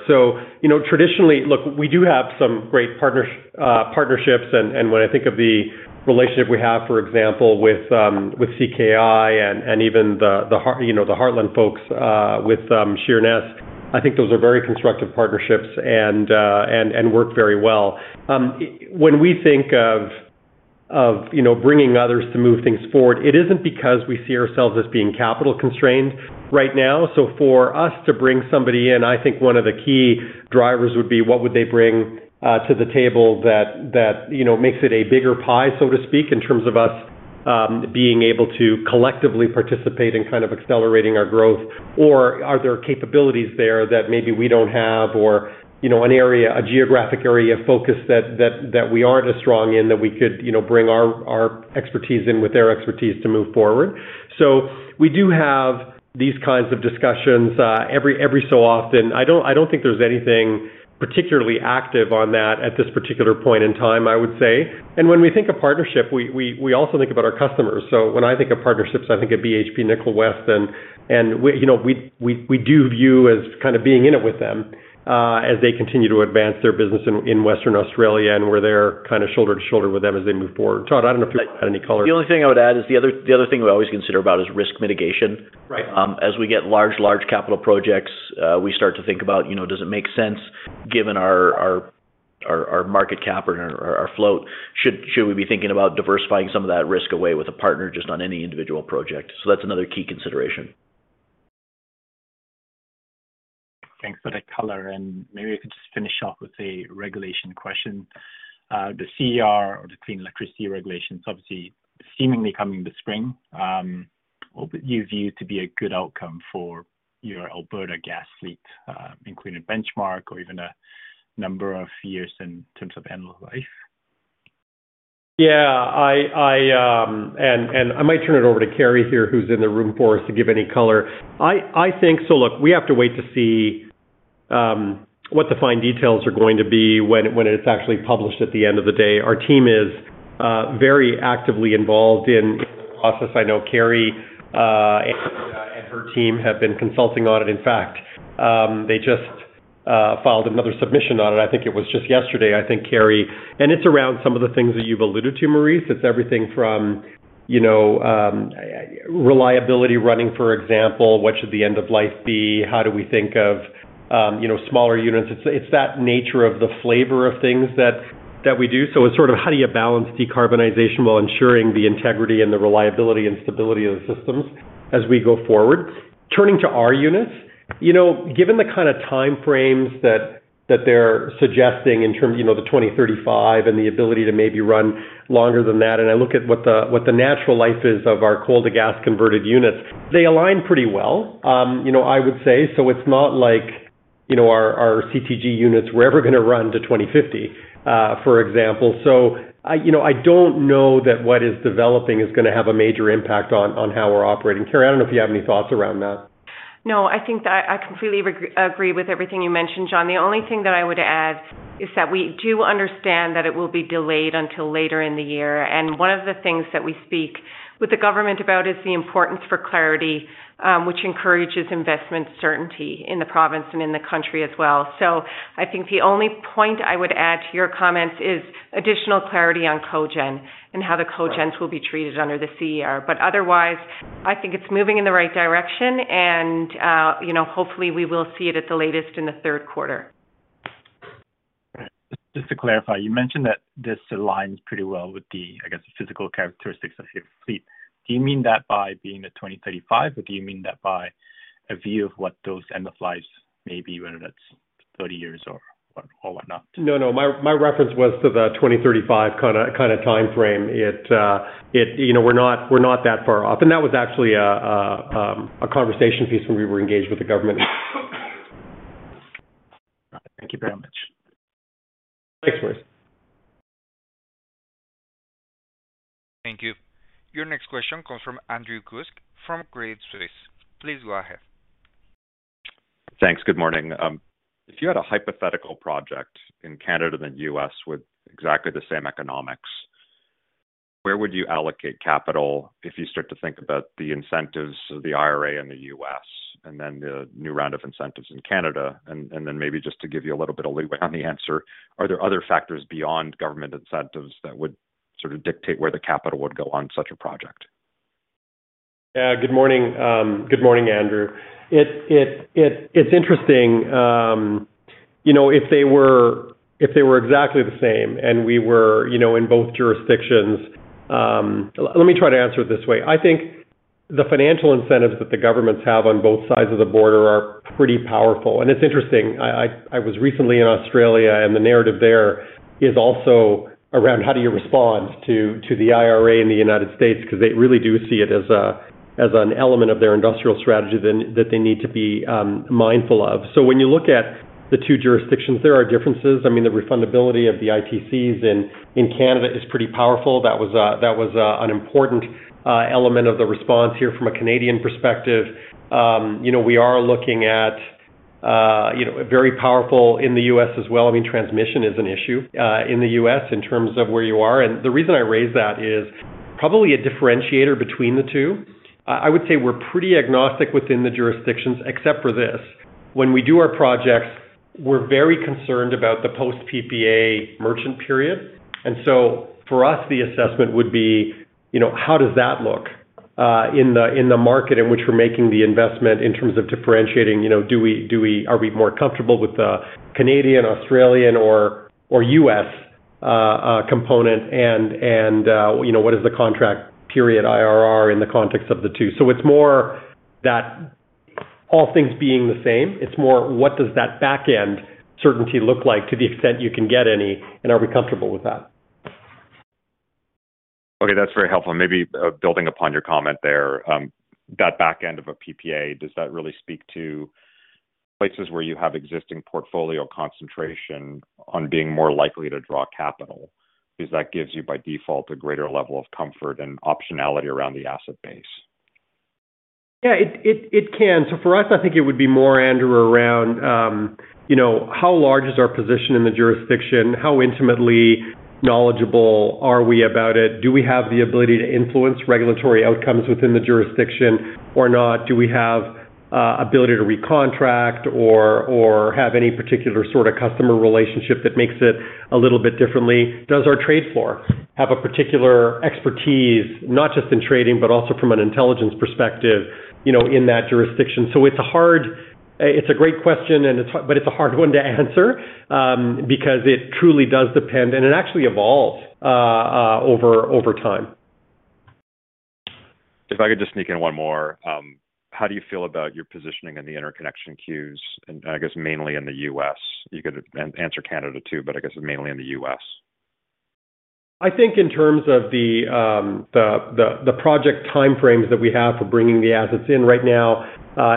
You know, traditionally. Look, we do have some great partnerships. When I think of the relationship we have, for example, with CKI and even the Heartland folks with Sheerness, I think those are very constructive partnerships and work very well. When we think of, you know, bringing others to move things forward, it isn't because we see ourselves as being capital constrained right now. For us to bring somebody in, I think one of the key drivers would be what would they bring, to the table that, you know, makes it a bigger pie, so to speak, in terms of us, being able to collectively participate in kind of accelerating our growth? Are there capabilities there that maybe we don't have or, you know, an area, a geographic area of focus that, that we aren't as strong in that we could, you know, bring our expertise in with their expertise to move forward. We do have these kinds of discussions, every so often. I don't, I don't think there's anything particularly active on that at this particular point in time, I would say. When we think of partnership, we also think about our customers. When I think of partnerships, I think of BHP Nickel West and we, you know, we do view as kind of being in it with them, as they continue to advance their business in Western Australia and we're there kind of shoulder to shoulder with them as they move forward. Todd, I don't know if you wanna add any color. The only thing I would add is the other thing we always consider about is risk mitigation. Right. As we get large capital projects, we start to think about, you know, does it make sense given our market cap or our float? Should we be thinking about diversifying some of that risk away with a partner just on any individual project? That's another key consideration. Thanks for that color. Maybe I could just finish off with a regulation question. The CER or the Clean Electricity Regulations is obviously seemingly coming this spring. What would you view to be a good outcome for your Alberta gas fleet, including benchmark or even a number of years in terms of end of life? Yeah. I might turn it over to Kerry here, who's in the room for us to give any color. I think. Look, we have to wait to see what the fine details are going to be when it's actually published at the end of the day. Our team is very actively involved in the process. I know Kerry and her team have been consulting on it. In fact, they just filed another submission on it. I think it was just yesterday. It's around some of the things that you've alluded to, Maurice. It's everything from, you know, reliability running, for example. What should the end of life be? How do we think of, you know, smaller units? It's that nature of the flavor of things that we do. It's sort of how do you balance decarbonization while ensuring the integrity and the reliability and stability of the systems as we go forward. Turning to our units, you know, given the kinda time frames that they're suggesting in terms, you know, the 2035 and the ability to maybe run longer than that, and I look at what the natural life is of our coal to gas converted units, they align pretty well, you know, I would say. It's not like, you know, our CTG units were ever gonna run to 2050, for example. I, you know, I don't know that what is developing is gonna have a major impact on how we're operating. Kerry, I don't know if you have any thoughts around that. No, I think that I completely agree with everything you mentioned, John. The only thing that I would add is that we do understand that it will be delayed until later in the year. One of the things that we speak with the government about is the importance for clarity, which encourages investment certainty in the province and in the country as well. I think the only point I would add to your comments is additional clarity on cogen and how the cogents will be treated under the CER. Otherwise, I think it's moving in the right direction and, you know, hopefully we will see it at the latest in the third quarter. Just to clarify, you mentioned that this aligns pretty well with the, I guess, physical characteristics of your fleet. Do you mean that by being a 2035 or do you mean that by a view of what those end of lives may be, whether that's 30 years or whatnot? No, no. My reference was to the 2035 kinda timeframe. You know, we're not that far off. That was actually a conversation piece when we were engaged with the government. Thank you very much. Thanks, Maurice. Thank you. Your next question comes from Andrew Kuske from Credit Suisse. Please go ahead. Thanks. Good morning. If you had a hypothetical project in Canada and then U.S. with exactly the same economics, where would you allocate capital if you start to think about the incentives of the IRA in the U.S. and then the new round of incentives in Canada? Maybe just to give you a little bit of leeway on the answer, are there other factors beyond government incentives that would sort of dictate where the capital would go on such a project? Yeah. Good morning. Good morning, Andrew. It's interesting, you know, if they were exactly the same and we were, you know, in both jurisdictions. Let me try to answer it this way. I think the financial incentives that the governments have on both sides of the border are pretty powerful. It's interesting, I was recently in Australia, and the narrative there is also around how do you respond to the IRA in the United States? Because they really do see it as an element of their industrial strategy that they need to be mindful of. When you look at the two jurisdictions, there are differences. I mean, the refundability of the ITCs in Canada is pretty powerful. That was an important element of the response here from a Canadian perspective. You know, we are looking at, you know, very powerful in the U.S. as well. I mean, transmission is an issue in the U.S. in terms of where you are. The reason I raise that is probably a differentiator between the two. I would say we're pretty agnostic within the jurisdictions except for this. When we do our projects, we're very concerned about the post-PPA merchant period. For us, the assessment would be, you know, how does that look in the market in which we're making the investment in terms of differentiating, you know, Are we more comfortable with the Canadian, Australian or U.S. component? You know, what is the contract period IRR in the context of the two? It's more that all things being the same, it's more, what does that back end certainty look like to the extent you can get any, and are we comfortable with that? That's very helpful. Maybe, building upon your comment there, that back end of a PPA, does that really speak to places where you have existing portfolio concentration on being more likely to draw capital? Because that gives you, by default, a greater level of comfort and optionality around the asset base. Yeah. It can. For us, I think it would be more, Andrew, around, you know, how large is our position in the jurisdiction? How intimately knowledgeable are we about it? Do we have the ability to influence regulatory outcomes within the jurisdiction or not? Do we have ability to recontract or have any particular sort of customer relationship that makes it a little bit differently? Does our trade floor have a particular expertise, not just in trading, but also from an intelligence perspective, you know, in that jurisdiction? It's a great question and it's a hard one to answer, because it truly does depend, and it actually evolves over time. If I could just sneak in one more. How do you feel about your positioning in the interconnection queues, and I guess mainly in the U.S.? You could answer Canada too, but I guess mainly in the U.S. I think in terms of the project timeframes that we have for bringing the assets in right now,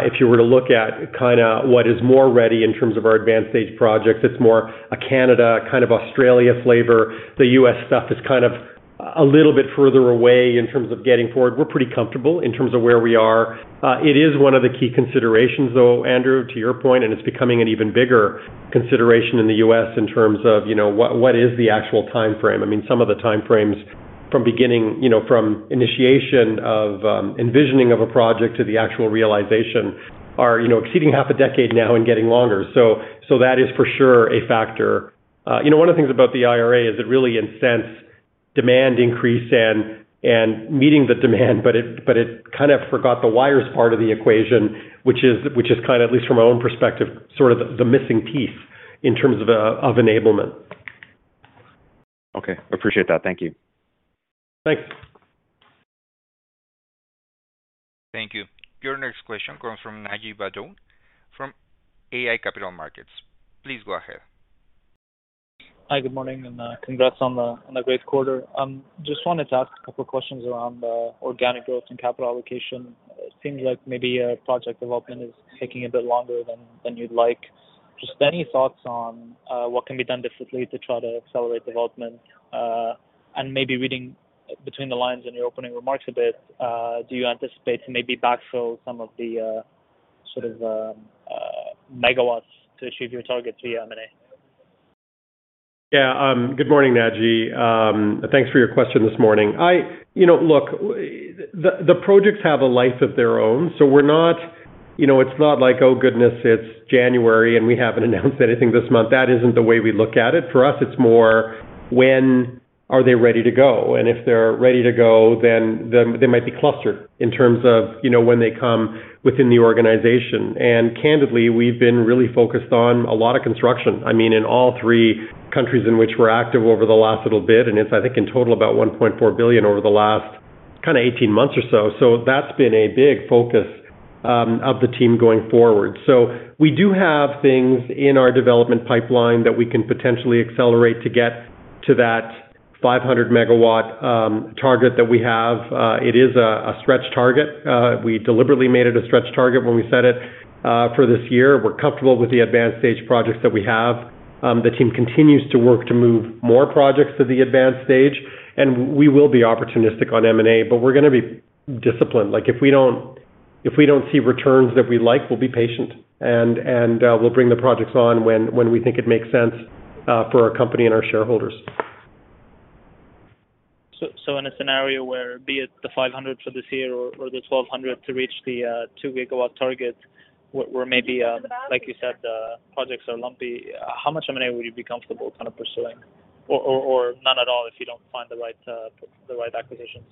if you were to look at kinda what is more ready in terms of our advanced stage projects, it's more a Canada kind of Australia flavor. The U.S. stuff is kind of a little bit further away in terms of getting forward. We're pretty comfortable in terms of where we are. It is one of the key considerations, though, Andrew, to your point, and it's becoming an even bigger consideration in the U.S. in terms of, you know, what is the actual timeframe. I mean, some of the timeframes from beginning, you know, from initiation of envisioning of a project to the actual realization are, you know, exceeding half a decade now and getting longer. That is for sure a factor. you know, one of the things about the IRA is it really incents demand increase and meeting the demand, but it kind of forgot the wires part of the equation, which is kind of, at least from my own perspective, sort of the missing piece in terms of enablement. Okay. Appreciate that. Thank you. Thanks. Thank you. Your next question comes from Naji Baydoun from iA Capital Markets. Please go ahead. Hi. Good morning, and congrats on a great quarter. Just wanted to ask a couple questions around organic growth and capital allocation. It seems like maybe project development is taking a bit longer than you'd like. Just any thoughts on what can be done differently to try to accelerate development? Maybe reading between the lines in your opening remarks a bit, do you anticipate to maybe backfill some of the sort of megawatts to achieve your target through M&A? Yeah. Good morning, Naji. Thanks for your question this morning. You know, look, the projects have a life of their own, so we're not. You know, it's not like, oh goodness, it's January, and we haven't announced anything this month. That isn't the way we look at it. For us, it's more when are they ready to go? If they're ready to go, then they might be clustered in terms of, you know, when they come within the organization. Candidly, we've been really focused on a lot of construction, I mean, in all three countries in which we're active over the last little bit, and it's, I think, in total about 1.4 billion over the last kind of 18 months or so. That's been a big focus of the team going forward. We do have things in our development pipeline that we can potentially accelerate to get to that 500 MW target that we have. It is a stretch target. We deliberately made it a stretch target when we set it for this year. We're comfortable with the advanced stage projects that we have. The team continues to work to move more projects to the advanced stage, and we will be opportunistic on M&A, but we're gonna be disciplined. Like, if we don't, if we don't see returns that we like, we'll be patient and, we'll bring the projects on when we think it makes sense for our company and our shareholders. In a scenario where, be it the 500 for this year or the 1,200 to reach the 2 GW target, where maybe, like you said, the projects are lumpy, how much M&A would you be comfortable kind of pursuing or none at all if you don't find the right acquisitions?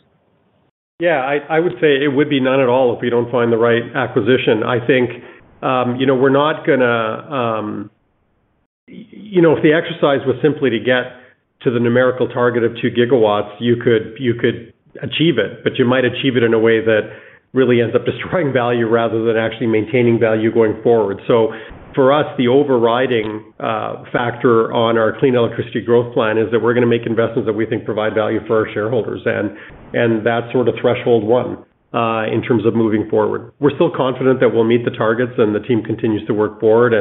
Yeah, I would say it would be none at all if we don't find the right acquisition. I think, you know, we're not gonna... You know, if the exercise was simply to get to the numerical target of 2 GW, you could achieve it, but you might achieve it in a way that really ends up destroying value rather than actually maintaining value going forward. For us, the overriding factor on our clean electricity growth plan is that we're gonna make investments that we think provide value for our shareholders. That's sort of threshold 1 in terms of moving forward. We're still confident that we'll meet the targets, and the team continues to work forward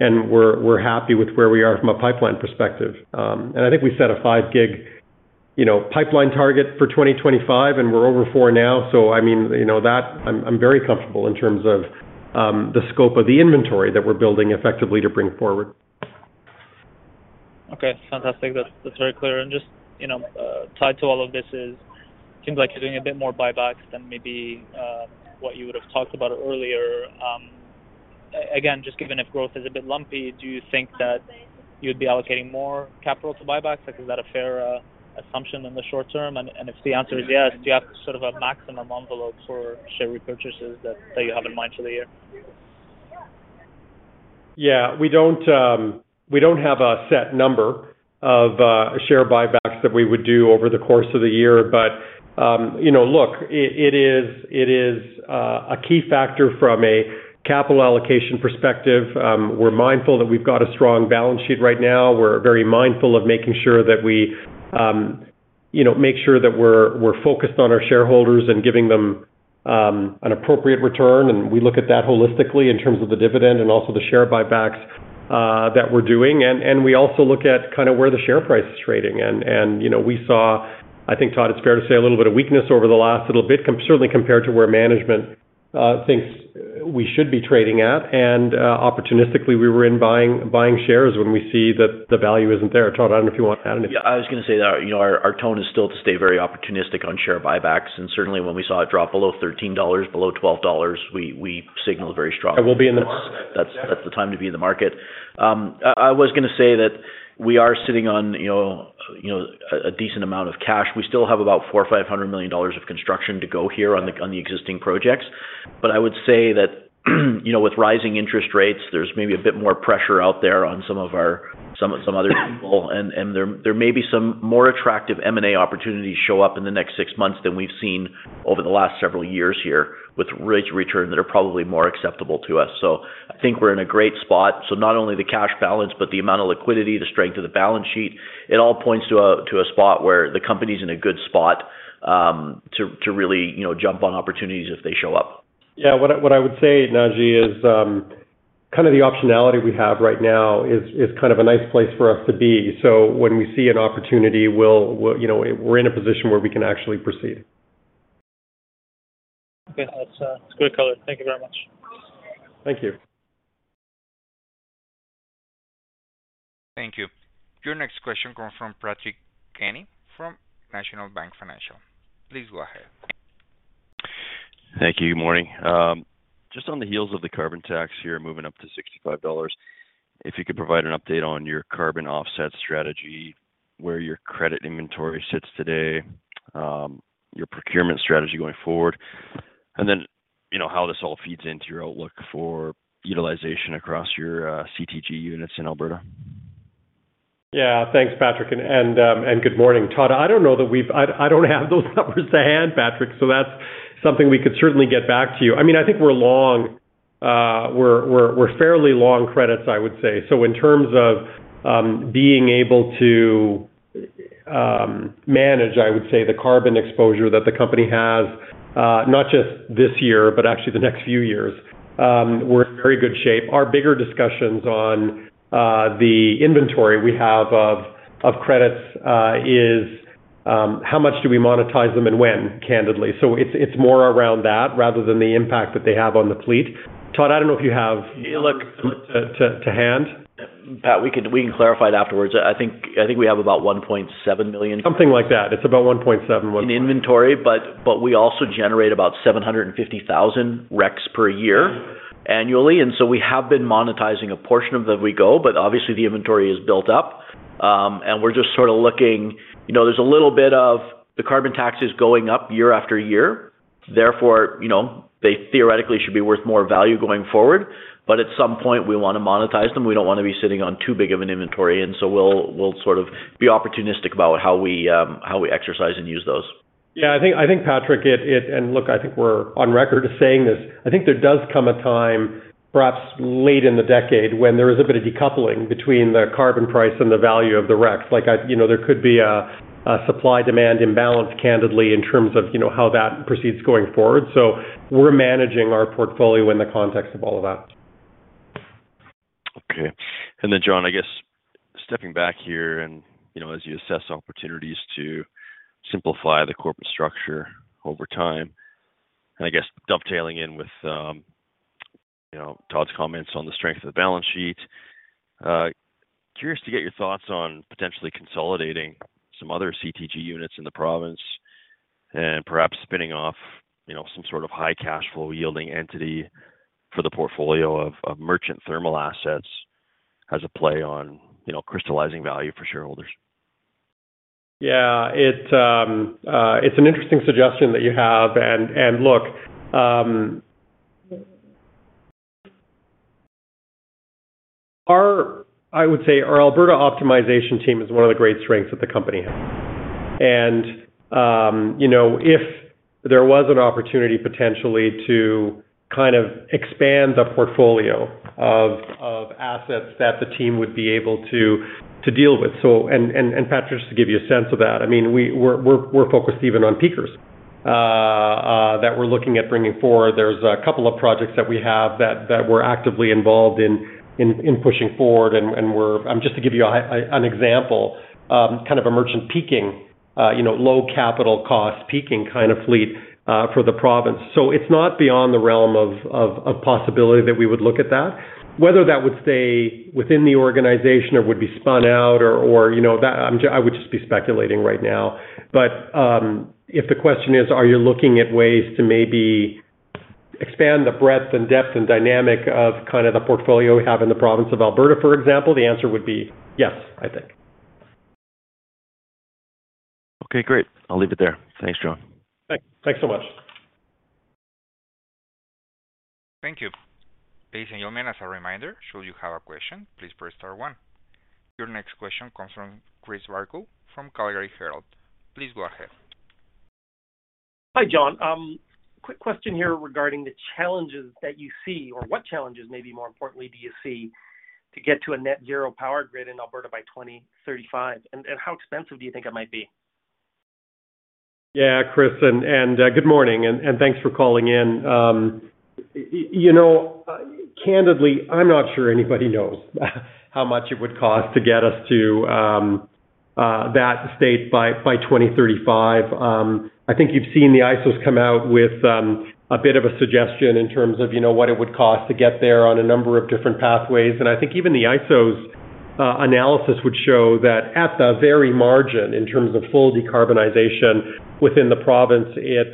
and we're happy with where we are from a pipeline perspective. I think we set a 5 G, you know, pipeline target for 2025, and we're over 4 now. I mean, you know that I'm very comfortable in terms of, the scope of the inventory that we're building effectively to bring forward. Okay, fantastic. That's very clear. Just, you know, tied to all of this is, seems like you're doing a bit more buybacks than maybe what you would have talked about earlier. Again, just given if growth is a bit lumpy, do you think that you'd be allocating more capital to buybacks? Like, is that a fair assumption in the short term? If the answer is yes, do you have sort of a maximum envelope for share repurchases that you have in mind for the year? Yeah. We don't, we don't have a set number of share buybacks that we would do over the course of the year. You know, look, it is a key factor from a capital allocation perspective. We're mindful that we've got a strong balance sheet right now. We're very mindful of making sure that we, you know, make sure that we're focused on our shareholders and giving them an appropriate return. We look at that holistically in terms of the dividend and also the share buybacks that we're doing. We also look at kind of where the share price is trading. You know, we saw, I think, Todd, it's fair to say a little bit of weakness over the last little bit certainly compared to where management thinks we should be trading at. Opportunistically, we were in buying shares when we see that the value isn't there. Todd, I don't know if you want to add anything? Yeah, I was gonna say that, you know, our tone is still to stay very opportunistic on share buybacks. Certainly when we saw it drop below 13 dollars, below 12 dollars, we signaled very strongly... I will be in. That's the time to be in the market. I was gonna say that we are sitting on, you know, a decent amount of cash. We still have about 400 million-500 million dollars of construction to go here on the existing projects. I would say that, you know, with rising interest rates, there's maybe a bit more pressure out there on some other people. There may be some more attractive M&A opportunities show up in the next 6 months than we've seen over the last several years here with rates of return that are probably more acceptable to us. I think we're in a great spot. Not only the cash balance, but the amount of liquidity, the strength of the balance sheet, it all points to a spot where the company's in a good spot, to really, you know, jump on opportunities if they show up. Yeah. What I would say, Naji, is kind of the optionality we have right now is kind of a nice place for us to be. When we see an opportunity, we'll you know, we're in a position where we can actually proceed. Okay. That's, that's good color. Thank you very much. Thank you. Thank you. Your next question comes from Patrick Kenny from National Bank Financial. Please go ahead. Thank you. Good morning. Just on the heels of the carbon tax here moving up to 65 dollars, if you could provide an update on your carbon offset strategy, where your credit inventory sits today, your procurement strategy going forward, and then, you know, how this all feeds into your outlook for utilization across your CTG units in Alberta. Yeah. Thanks, Patrick. Good morning. Todd, I don't know that I don't have those numbers to hand, Patrick. That's something we could certainly get back to you. I mean, I think we're fairly long credits, I would say. In terms of being able to manage, I would say, the carbon exposure that the company has, not just this year, but actually the next few years, we're in very good shape. Our bigger discussions on the inventory we have of credits is how much do we monetize them and when, candidly. It's more around that rather than the impact that they have on the fleet. Todd, I don't know if you have Yeah- To hand. Pat, we can clarify it afterwards. I think we have about 1.7 million- Something like that. It's about 1.7- In inventory, but we also generate about 750,000 RECs per year, annually. We have been monetizing a portion of them as we go, but obviously the inventory is built up. We're just sort of looking, you know, there's a little bit of the carbon taxes going up year after year. Therefore, you know, they theoretically should be worth more value going forward. At some point, we want to monetize them. We don't want to be sitting on too big of an inventory. We'll sort of be opportunistic about how we, how we exercise and use those. Yeah, I think, Patrick, it, and look, I think we're on record as saying this. I think there does come a time, perhaps late in the decade, when there is a bit of decoupling between the carbon price and the value of the RECs. Like, you know, there could be a supply-demand imbalance, candidly, in terms of, you know, how that proceeds going forward. So we're managing our portfolio in the context of all of that. Okay. John, I guess stepping back here and, you know, as you assess opportunities to simplify the corporate structure over time, and I guess dovetailing in with, you know, Todd's comments on the strength of the balance sheet, curious to get your thoughts on potentially consolidating some other CTG units in the province and perhaps spinning off, you know, some sort of high cash flow yielding entity for the portfolio of merchant thermal assets as a play on, you know, crystallizing value for shareholders? Yeah. It's an interesting suggestion that you have. Look, I would say our Alberta optimization team is one of the great strengths that the company has. You know, if there was an opportunity potentially to kind of expand the portfolio of assets that the team would be able to deal with. Patrick, just to give you a sense of that, I mean, we're focused even on peakers that we're looking at bringing forward. There's a couple of projects that we have that we're actively involved in pushing forward. We're just to give you an example, kind of a merchant peaking, you know, low capital cost peaking kind of fleet for the province. It's not beyond the realm of possibility that we would look at that. Whether that would stay within the organization or would be spun out or, you know, that I would just be speculating right now. If the question is, are you looking at ways to maybe expand the breadth and depth and dynamic of kind of the portfolio we have in the province of Alberta, for example? The answer would be yes, I think. Okay, great. I'll leave it there. Thanks, John. Thanks. Thanks so much. Thank you. Ladies and gentlemen, as a reminder, should you have a question, please press star one. Your next question comes from Chris Varcoe from Calgary Herald. Please go ahead. Hi, John. quick question here regarding the challenges that you see or what challenges maybe more importantly, do you see to get to a net zero power grid in Alberta by 2035? How expensive do you think it might be? Yeah, Chris, good morning, thanks for calling in. You know, candidly, I'm not sure anybody knows how much it would cost to get us to that state by 2035. I think you've seen the ISOs come out with a bit of a suggestion in terms of, you know, what it would cost to get there on a number of different pathways. I think even the ISOs analysis would show that at the very margin in terms of full decarbonization within the province, it's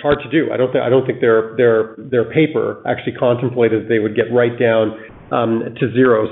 hard to do. I don't think their paper actually contemplated they would get right down to zero.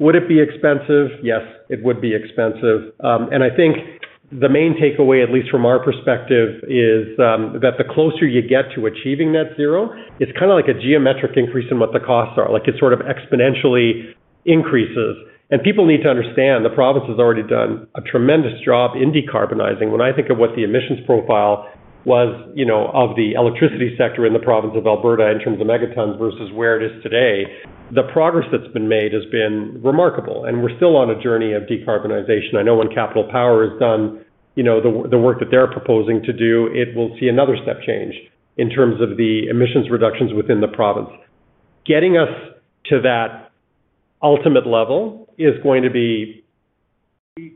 Would it be expensive? Yes, it would be expensive. I think the main takeaway, at least from our perspective, is that the closer you get to achieving net zero, it's kinda like a geometric increase in what the costs are. Like, it sort of exponentially increases. People need to understand the province has already done a tremendous job in decarbonizing. When I think of what the emissions profile was, you know, of the electricity sector in the province of Alberta in terms of megatons versus where it is today, the progress that's been made has been remarkable, and we're still on a journey of decarbonization. I know when Capital Power is done, you know, the work that they're proposing to do, it will see another step change in terms of the emissions reductions within the province. Getting us to that ultimate level is going to be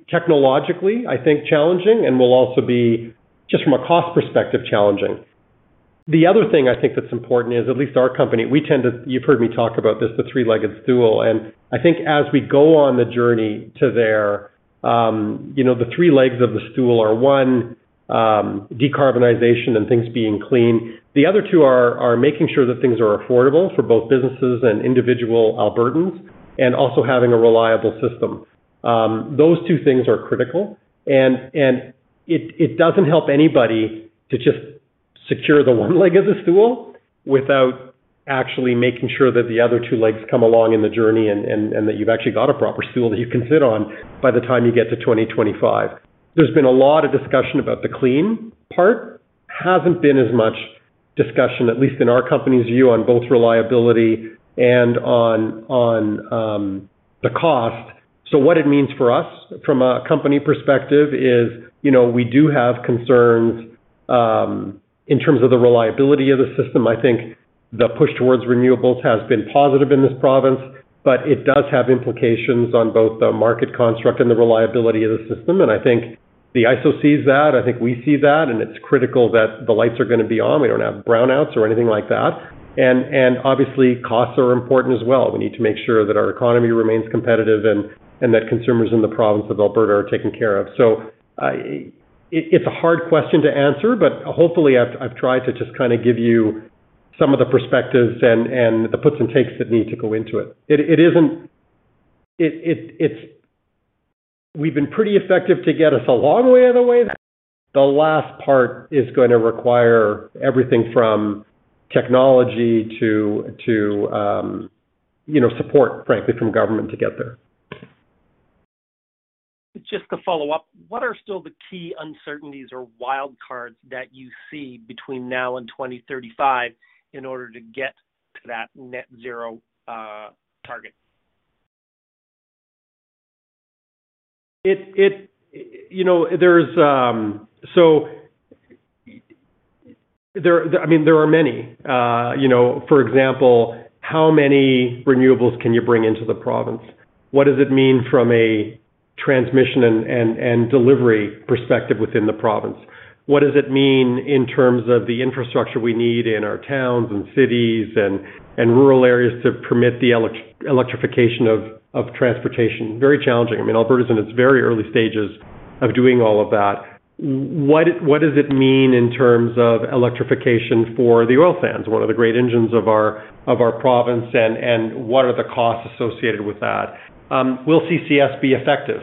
technologically, I think, challenging and will also be, just from a cost perspective, challenging. The other thing I think that's important is, at least our company, You've heard me talk about this, the three-legged stool. I think as we go on the journey to there, you know, the three legs of the stool are, one, decarbonization and things being clean. The other two are making sure that things are affordable for both businesses and individual Albertans and also having a reliable system. Those two things are critical. It doesn't help anybody to just secure the one leg of the stool without actually making sure that the other two legs come along in the journey and that you've actually got a proper stool that you can sit on by the time you get to 2025. There's been a lot of discussion about the clean part. Hasn't been as much discussion, at least in our company's view, on both reliability and on the cost. What it means for us from a company perspective is, you know, we do have concerns in terms of the reliability of the system. I think the push towards renewables has been positive in this province, but it does have implications on both the market construct and the reliability of the system. I think the ISO sees that, I think we see that, and it's critical that the lights are gonna be on. We don't have brownouts or anything like that. Obviously, costs are important as well. We need to make sure that our economy remains competitive and that consumers in the province of Alberta are taken care of. It's a hard question to answer, but hopefully I've tried to just kinda give you some of the perspectives and the puts and takes that need to go into it. It isn't. It's We've been pretty effective to get us a long way out of the way. The last part is gonna require everything from technology to, you know, support, frankly, from government to get there. Just to follow up, what are still the key uncertainties or wild cards that you see between now and 2035 in order to get to that net zero target? It, you know, there's, I mean, there are many. You know, for example, how many renewables can you bring into the province? What does it mean from a transmission and delivery perspective within the province? What does it mean in terms of the infrastructure we need in our towns and cities and rural areas to permit the electrification of transportation? Very challenging. I mean, Alberta's in its very early stages of doing all of that. What does it mean in terms of electrification for the oil sands, one of the great engines of our province, and what are the costs associated with that? Will CCS be effective?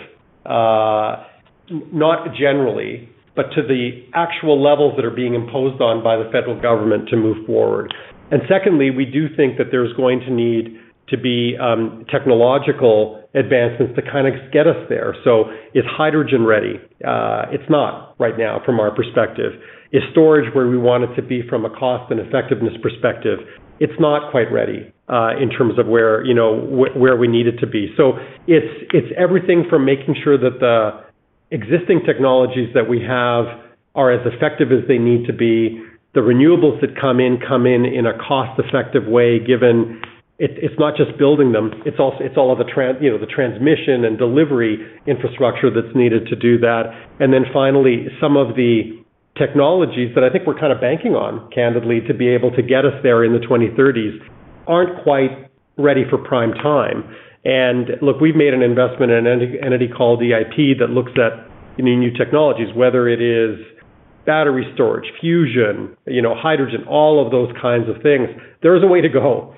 Not generally, but to the actual levels that are being imposed on by the federal government to move forward. Secondly, we do think that there's going to need to be technological advancements to kind of get us there. Is hydrogen ready? It's not right now from our perspective. Is storage where we want it to be from a cost and effectiveness perspective? It's not quite ready in terms of where, you know, where we need it to be. It's, it's everything from making sure that the existing technologies that we have are as effective as they need to be. The renewables that come in, come in in a cost-effective way, given it's not just building them, it's all of the, you know, the transmission and delivery infrastructure that's needed to do that. Finally, some of the technologies that I think we're kind of banking on, candidly, to be able to get us there in the 2030s aren't quite ready for prime time. Look, we've made an investment in an entity called EIP that looks at, you know, new technologies, whether it is battery storage, fusion, you know, hydrogen, all of those kinds of things. There is a way to go.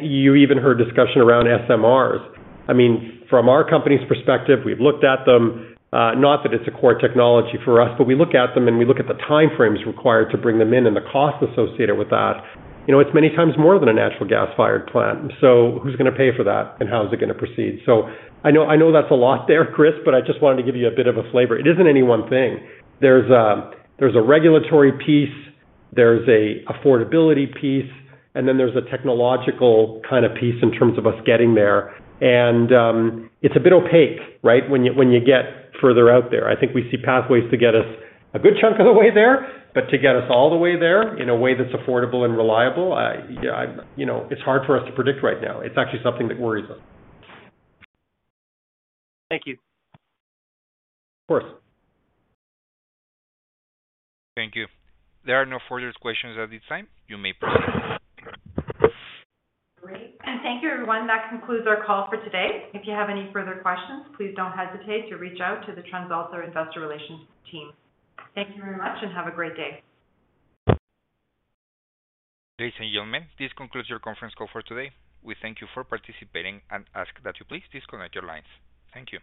You even heard discussion around SMRs. I mean, from our company's perspective, we've looked at them, not that it's a core technology for us, but we look at them and we look at the time frames required to bring them in and the cost associated with that. You know, it's many times more than a natural gas-fired plant. Who's gonna pay for that and how is it gonna proceed? I know, I know that's a lot there, Chris, but I just wanted to give you a bit of a flavor. It isn't any one thing. There's a, there's a regulatory piece, there's a affordability piece, and then there's a technological kind of piece in terms of us getting there. And it's a bit opaque, right? When you, when you get further out there. I think we see pathways to get us a good chunk of the way there, but to get us all the way there in a way that's affordable and reliable, I, you know, it's hard for us to predict right now. It's actually something that worries us. Thank you. Of course. Thank you. There are no further questions at this time. You may proceed. Great. Thank you, everyone. That concludes our call for today. If you have any further questions, please don't hesitate to reach out to the TransAlta investor relations team. Thank you very much and have a great day. Ladies and gentlemen, this concludes your conference call for today. We thank you for participating and ask that you please disconnect your lines. Thank you.